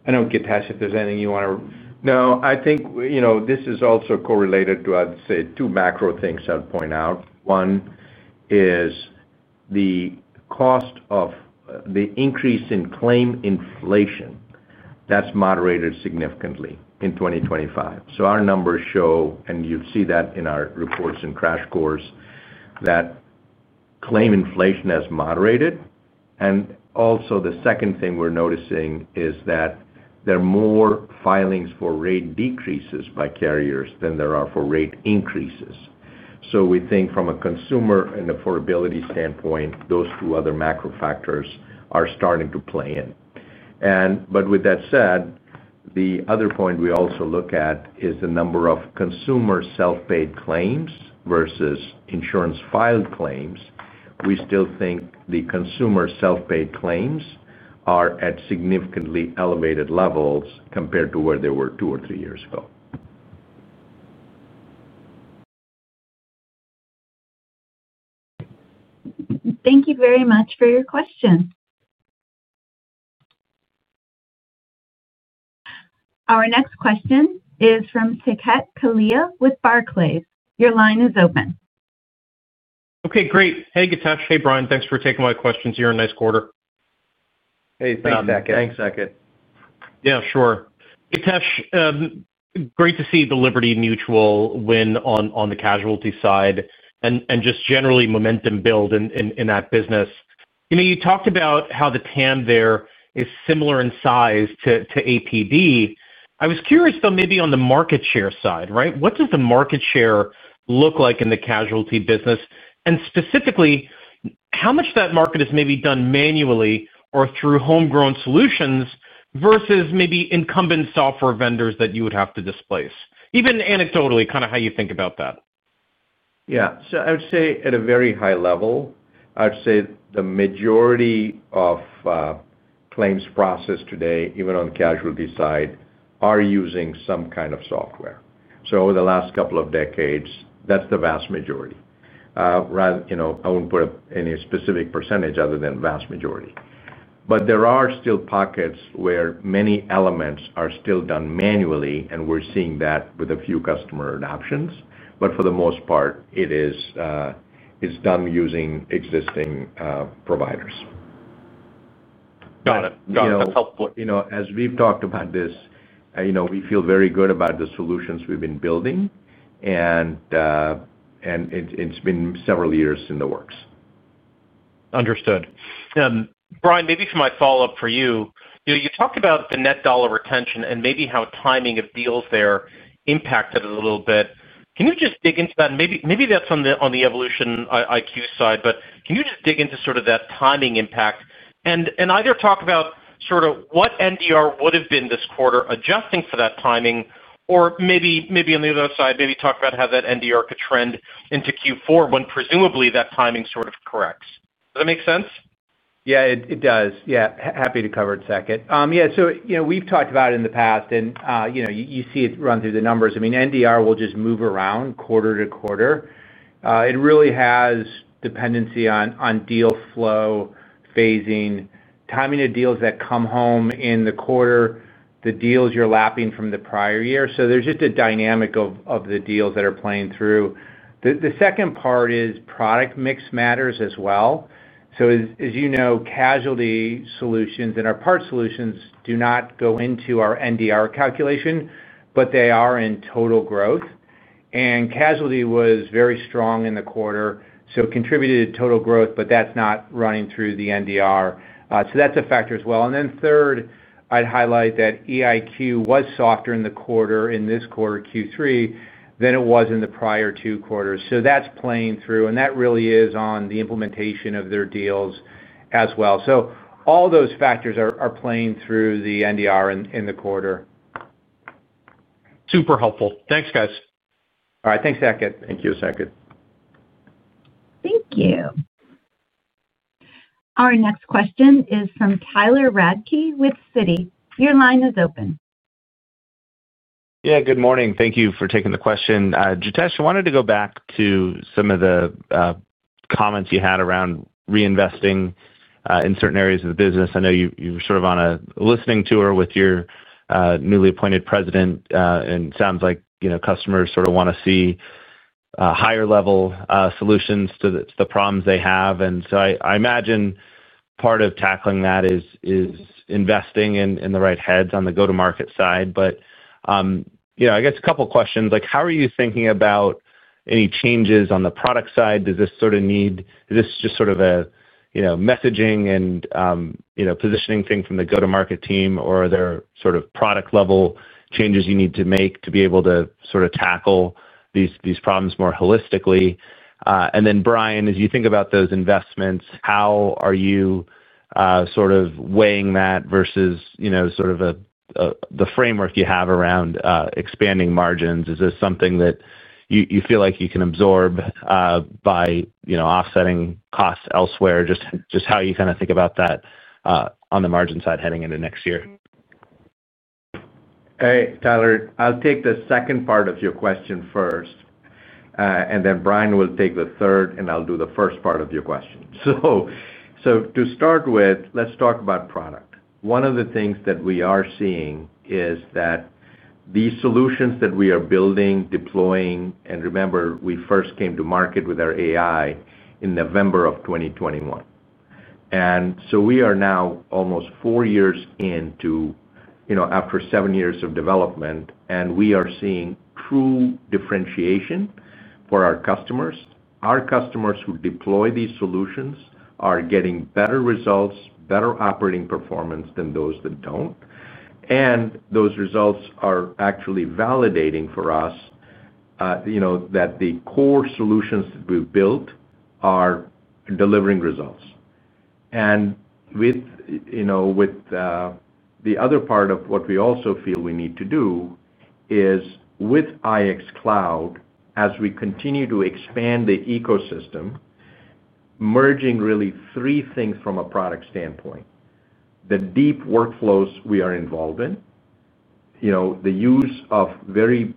I don't get if there's anything you want to. No, I think this is also correlated to, I'd say, two macro things I'd point out. One is the cost of the increase in claim inflation that's moderated significantly in 2025. Our numbers show, and you see that in our reports in Crash Course, that claim inflation has moderated. The second thing we're noticing is that there are more filings for rate decreases by carriers than there are for rate increases. We think from a consumer and affordability standpoint those two other macro factors are starting to play in. With that said, the other point we also look at is the number of consumer self paid claims versus insurance filed claims. We still think the consumer self paid claims are at significantly elevated levels compared to where they were two or three years ago. Thank you very much for your question. Our next question is from Saket Kalia with Barclays. Your line is open. Okay, great. Hey Githesh. Hey Brian, thanks for taking my questions. You had a nice quarter. Thanks Saket. Yeah, sure. Githesh, great to see the Liberty Mutual win on the casualty side and just generally momentum build in that business. You talked about how the TAM there is similar in size to APD. I was curious though, maybe on the market share side, right? What does the market share look like in the casualty business and specifically how much that market is maybe done manually or through homegrown solutions versus maybe incumbent software vendors that you would have to displace, even anecdotally, kind of how you think about that. Yeah, I would say at a very high level, I'd say the majority of claims processed today, even on the casualty side, are using some kind of software. Over the last couple of decades, that's the vast majority. I won't put up any specific percentage other than vast majority, but there are still pockets where many elements are still done manually and we're seeing that with a few customer adoptions. For the most part, it is done using existing providers. Got it. That's helpful. As we've talked about this, we feel very good about the solutions we've been building and it's been several years in the works. Understood. Brian, maybe for my follow-up you. If you talked about the net dollar retention and maybe how timing of deals there impacted it a little bit. Can you just dig into that? Maybe that's on the EvolutionIQ side, but can you just dig into sort of that timing impact and either talk about sort of what NDR would have been this quarter adjusting for that timing or maybe on the other side maybe talk about how that NDR could trend into Q4 when presumably that timing sort of corrects. Does that make sense? Yeah, it does. Happy to cover it. Yeah, so you know we've talked about it in the past and you see it run through the numbers. I mean, NDR will just move around quarter to quarter. It really has dependency on deal flow, phasing, timing of deals that come home in the quarter, the deals you're lapping from the prior year. There's just a dynamic of the deals that are playing through. The second part is product mix matters as well. As you know, casualty solutions and our parts solutions do not go into our NDR calculation, but they are in total growth. Casualty was very strong in the quarter, so contributed to total growth, but that's not running through the NDR, so that's a factor as well. Third, I'd highlight that EvolutionIQ was softer in the quarter, in this quarter Q3, than it was in the prior two quarters. That's playing through. That really is on the implementation of their deals as well. All those factors are playing through the NDR in the quarter. Super helpful. Thanks, guys. All right. Thanks, Saket. Thank you. A second. Thank you. Our next question is from Tyler Radke with Citigroup. Your line is open. Yeah, good morning. Thank you for taking the question. Githesh, I wanted to go back to some of the comments you had around reinvesting in certain areas of the business. I know you were sort of on a listening tour with your newly appointed President and sounds like customers want to see higher level solutions to the problems they have. I imagine part of tackling that is investing in the right heads on the go-to-market side. I guess a couple questions. How are you thinking about any changes on the product side? Does this sort of need this just sort of messaging and positioning thing the go to market team, or are there product level changes you need to make to be able to tackle these problems more holistically? Brian, as you think about those investments, how are you sort of weighing that versus the framework you have around expanding margins? Is this something that you feel like you can absorb by offsetting costs elsewhere? Just how you think about that on the margin side heading into next year? Hey Tyler, I'll take the second part of your question first and then Brian will take the third and I'll do the first part of your question. To start with, let's talk about product. One of the things that we are seeing is that these solutions that we are building, deploying, and remember, we first came to market with our AI in November of 2021. We are now almost four years into after seven years of development and we are seeing true differentiation for our customers. Our customers who deploy these solutions are getting better results, better operating performance than those that don't. Those results are actually validating for us that the core solutions that we've built are delivering results. With the other part of what we also feel we need to do is with CCC IX Cloud, as we continue to expand the ecosystem, merging really three things from a product standpoint: the deep workflows we are involved in, the use of very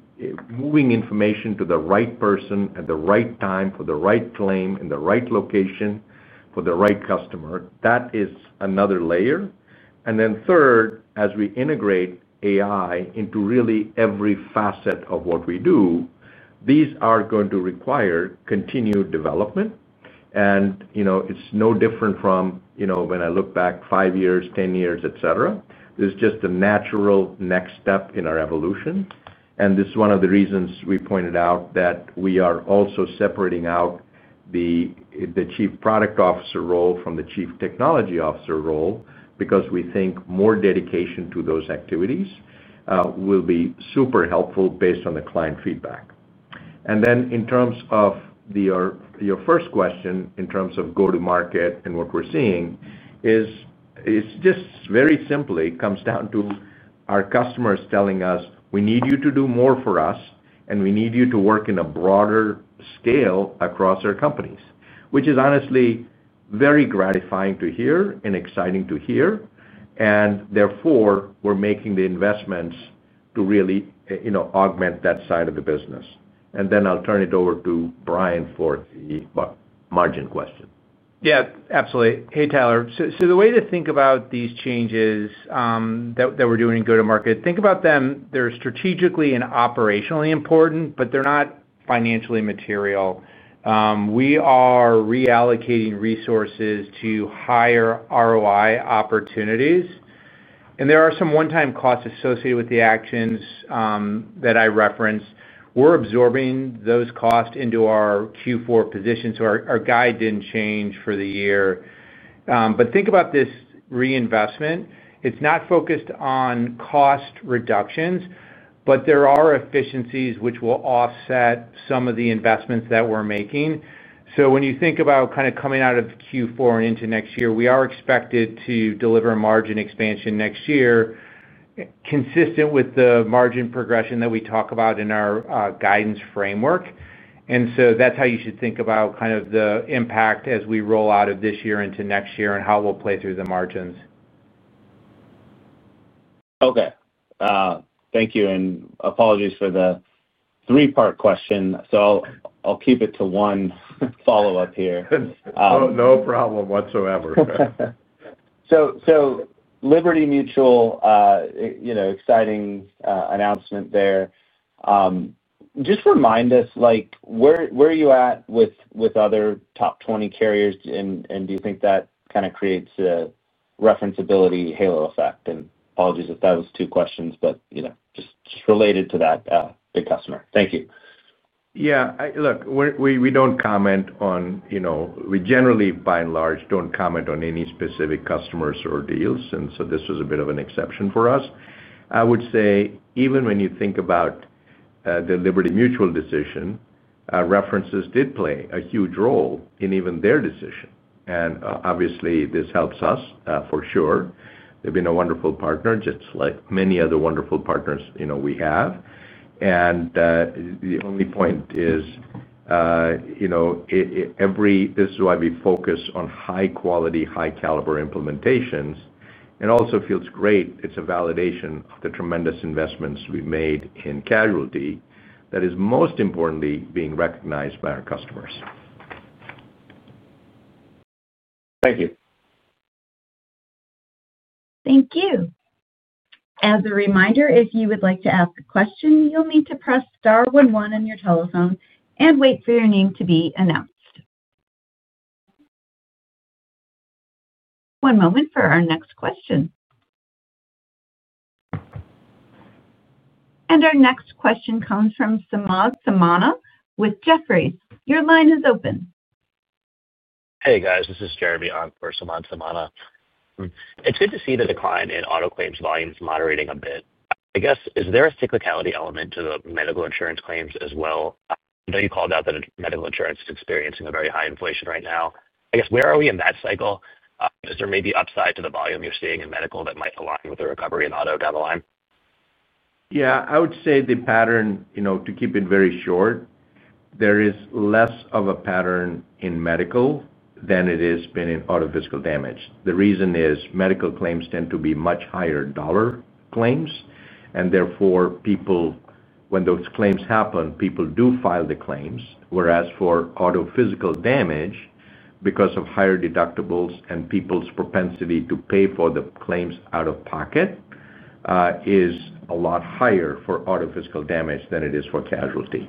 moving information to the right person at the right time for the right claim in the right location for the right customer. That is another layer. Third, as we integrate AI into really every facet of what we do, these are going to require continued development. It's no different from when I look back 5 years, 10 years, etc. This is just a natural next step in our evolution. This is one of the reasons we pointed out that we are also separating out the Chief Product Officer role from the Chief Technology Officer role because we think more dedication to those activities will be super helpful based on the client feedback. In terms of your first question in terms of go to market and what we're seeing, it just very simply comes down to our customers telling us we need you to do more for us and we need you to work in a broader scale across our companies, which is honestly very gratifying to hear and exciting to hear. Therefore, we're making the investments to really augment that side of the business. I'll turn it over to Brian for margin question. Yeah, absolutely. Hey Tyler. The way to think about these changes that we're doing in go to market, think about them. They're strategically and operationally important, but they're not financially material. We are reallocating resources to higher ROI opportunities, and there are some one-time costs associated with the actions that I referenced. We're absorbing those costs into our Q4 position. Our guide didn't change for the year. Think about this reinvestment. It's not focused on cost reductions, but there are efficiencies which will offset some of the investments that we're making. When you think about kind of coming out of Q4 and into next year, we are expected to deliver margin expansion next year consistent with the margin progression that we talk about in our guidance framework. That's how you should think about kind of the impact as we roll out of this year into next year and how we'll play through the margins. Okay, thank you and apologies for the three-part question. I'll keep it to one follow up here. No problem whatsoever. Liberty Mutual, exciting announcement there. Just remind us, where are you at with other top 20 carriers, and do you think that kind of creates a referenceability halo effect? Apologies if that was two questions, just related to that big customer. Thank you. Yeah, look, we don't comment on, we generally by and large don't comment on any specific customers or deals. This was a bit of an exception for us, I would say. Even when you think about the Liberty Mutual decision, references did play a huge role in even their decision. Obviously, this helps us for sure. They've been a wonderful partner, just like many other wonderful partners you know we have. The only point is, you know, this is why we focus on high quality, high caliber implementations and also feels great. It's a validation of the tremendous investments we've made in casualty that is most importantly being recognized by our customers. Thank you. Thank you. As a reminder, if you would like to ask a question, you'll need to press star one, one on your telephone and wait for your name to be announced. One moment for our next question. Our next question comes from Samad Samana with Jefferies. Your line is open. Hey guys, this is Jeremy for Samad Samana. It's good to see the decline in auto claims volumes moderating a bit, I guess. Is there a cyclicality element to the medical insurance claims as well? I know you called out that medical insurance is experiencing a very high inflation right now. I guess where are we in that cycle? Is there maybe upside to the volume? You're seeing in medical that might align with the recovery in auto down the line? Yeah, I would say the pattern, to keep it very short, there is less of a pattern in medical than it has been in Auto Physical Damage. The reason is medical claims tend to be much higher than dollar claims, and therefore, when those claims happen, people do file the claims. Whereas for Auto Physical Damage, because of higher deductibles and people's propensity to pay for the claims out of pocket, it is a lot higher for Auto Physical Damage than it is for casualty.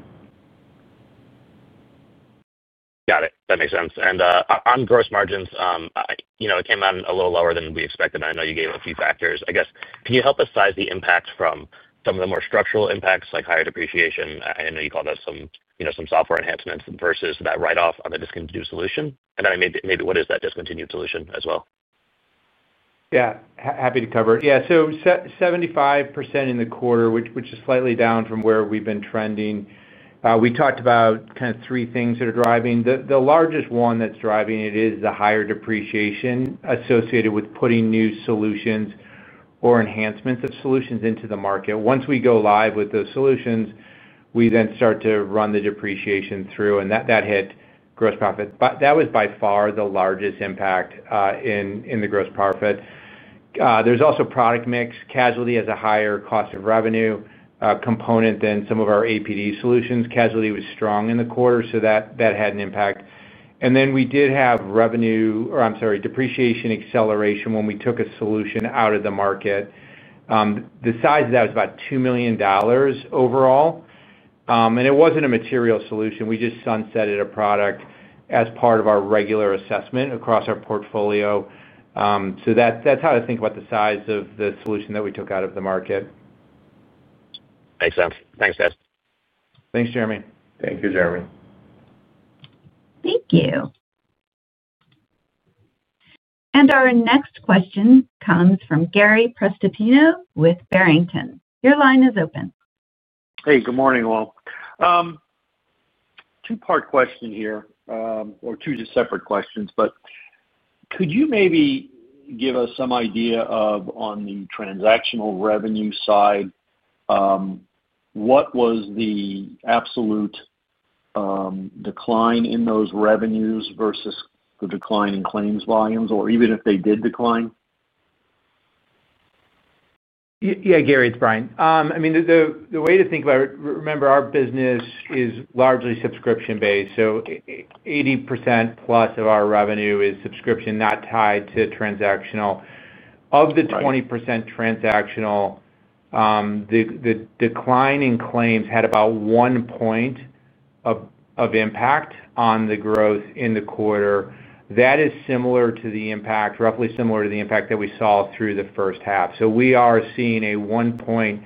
Got it. That makes sense. On gross margins, it came out a little lower than we expected. I know you gave a few factors. Can you help us size the impact from some of the more structural impacts like higher depreciation? I know you call that some software enhancements versus that write-off on a discontinued solution, and then maybe what is that discontinued solution as well? Yeah, happy to cover it. 75% in the quarter, which is slightly down from where we've been trending. We talked about kind of three things that are driving it. The large one that's driving it is the higher depreciation associated with putting new solutions or enhancements of solutions into the market. Once we go live with those solutions, we then start to run the depreciation through and that hit gross profit. That was by far the largest impact in the gross profit. There's also product mix. Casualty has a higher cost of revenue component than some of our APD solutions. Casualty was strong in the quarter, so that had an impact. We did have depreciation acceleration. When we took a solution out of the market, the size of that was about $2 million overall. It wasn't a material solution. We just sunsetted a product as part of our regular assessment across our portfolio. That's how I think about the size of the solution that we took out of the market. Makes sense. Thanks, Githesh. Thank you, Jeremy. Thank you. Our next question comes from Gary Prestopino with Barrington. Your line is open. Hey, good morning all. Two-part question here or two separate. Could you maybe give us some idea of on the transactional revenue side. What was the absolute decline in those revenues versus the decline in claims volumes or even if they did decline? Yeah, Gary, it's Brian. I mean, the way to think about it, remember our business is largely subscription based. 80% plus of our revenue is subscription, not tied to transactional. Of the 20% transactional, the declining claims had about one point of impact on the growth in the quarter. That is roughly similar to the impact that we saw through the first half. We are seeing a one point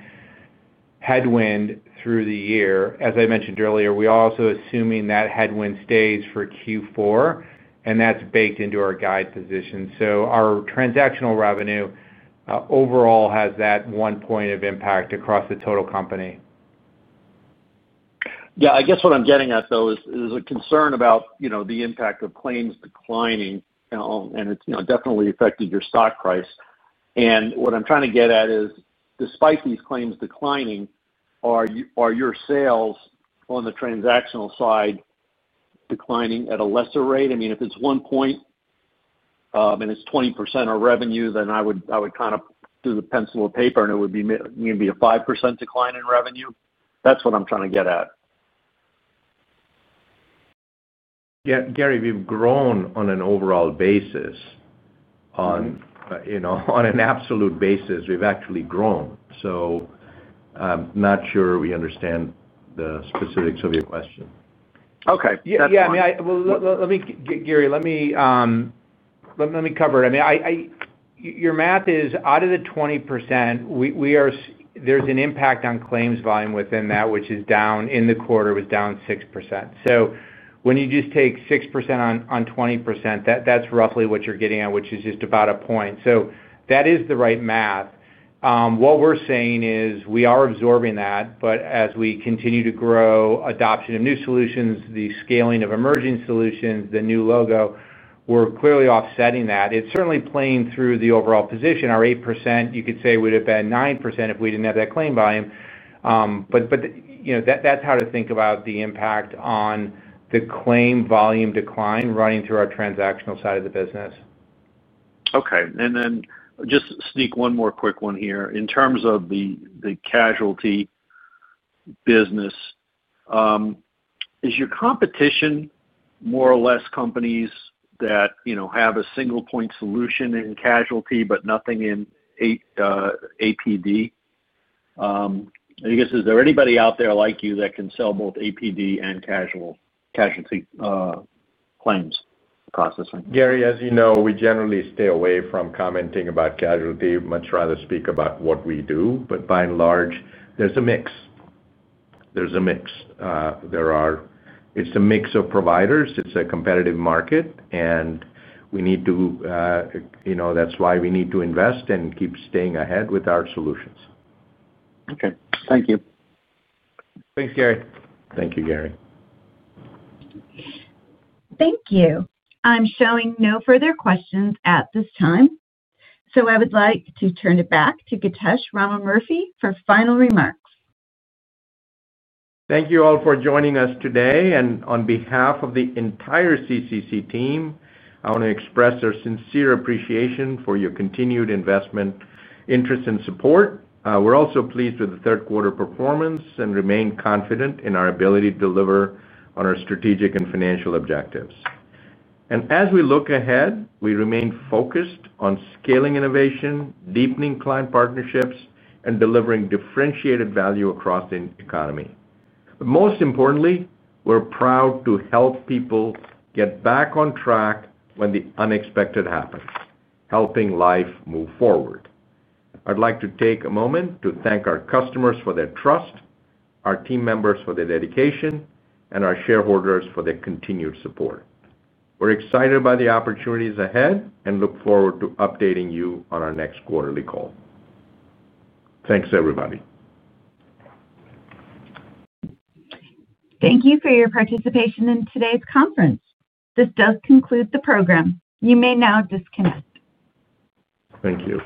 headwind through the year. As I mentioned earlier, we are also assuming that headwind stays for Q4, and that's baked into our guide position. Our transactional revenue overall has that one point of impact across the total company. I guess what I'm getting at there is a concern about the impact of claims declining, and it's definitely affected your stock price. What I'm trying to get at despite these claims declining, are your sales on the transactional side declining at a lesser rate? I mean, if it's one point, it's 20% of revenue, then I would kind of do the pencil and paper. It would be maybe a 5% decline in revenue. That's what I'm trying to get at. Gary we've grown on an overall basis. On an absolute basis, we've actually grown. I'm not sure we understand the specifics of your question. Okay, let me cover it. I mean, your math is out of the 20%, there's an impact on claims volume within that, which is down in the quarter, was down 6%. When you just take 6% on 20%, that's roughly what you're getting at, which is just about a point. That is the right math. What we're saying is we are absorbing that, but as we continue to grow adoption of new solutions, the scaling of emerging solutions, the new logo, we're clearly offsetting that. It's certainly playing through the overall position. Our 8% you could say would have been 9% if we didn't have that claim volume. That's how to think about the impact on the claim volume decline running through our transactional side of the business. Okay, and then just sneak one more quick one here. In terms of the casualty business. Is your competition more or less companies that have a single point solution in casualty but nothing in APD, I guess Is there anybody out there like you? That can sell both APD and casualty claims processing? Gary, as you know, we generally stay away from commenting about casualty, much rather speak about what we do. By and large there's a mix. There's a mix of providers. It's a competitive market, and we need to, you know, that's why we need to invest and keep staying ahead with our solutions. Okay, thank you. Thank you, Gary. Thank you. I'm showing no further questions at this time, so I would like to turn it back to Githesh Ramamurthy for final remarks. Thank you all for joining us today, and on behalf of the entire CCC team, I want to express our sincere appreciation for your continued investment, interest, and support. We're also pleased with the third quarter performance and remain confident in our ability to deliver on our strategic and financial objectives. As we look ahead, we remain focused on scaling innovation, deepening client partnerships, and delivering differentiated value across the economy. Most importantly, we're proud to help people get back on track when the unexpected happens, helping life move forward. I'd like to take a moment to thank our customers for their trust, our team members for their dedication, and our shareholders for their continued support. We're excited by the opportunities ahead and look forward to updating you on our next quarterly call. Thanks everybody. Thank you for your participation in today's conference. This does conclude the program. You may now disconnect. Thank you.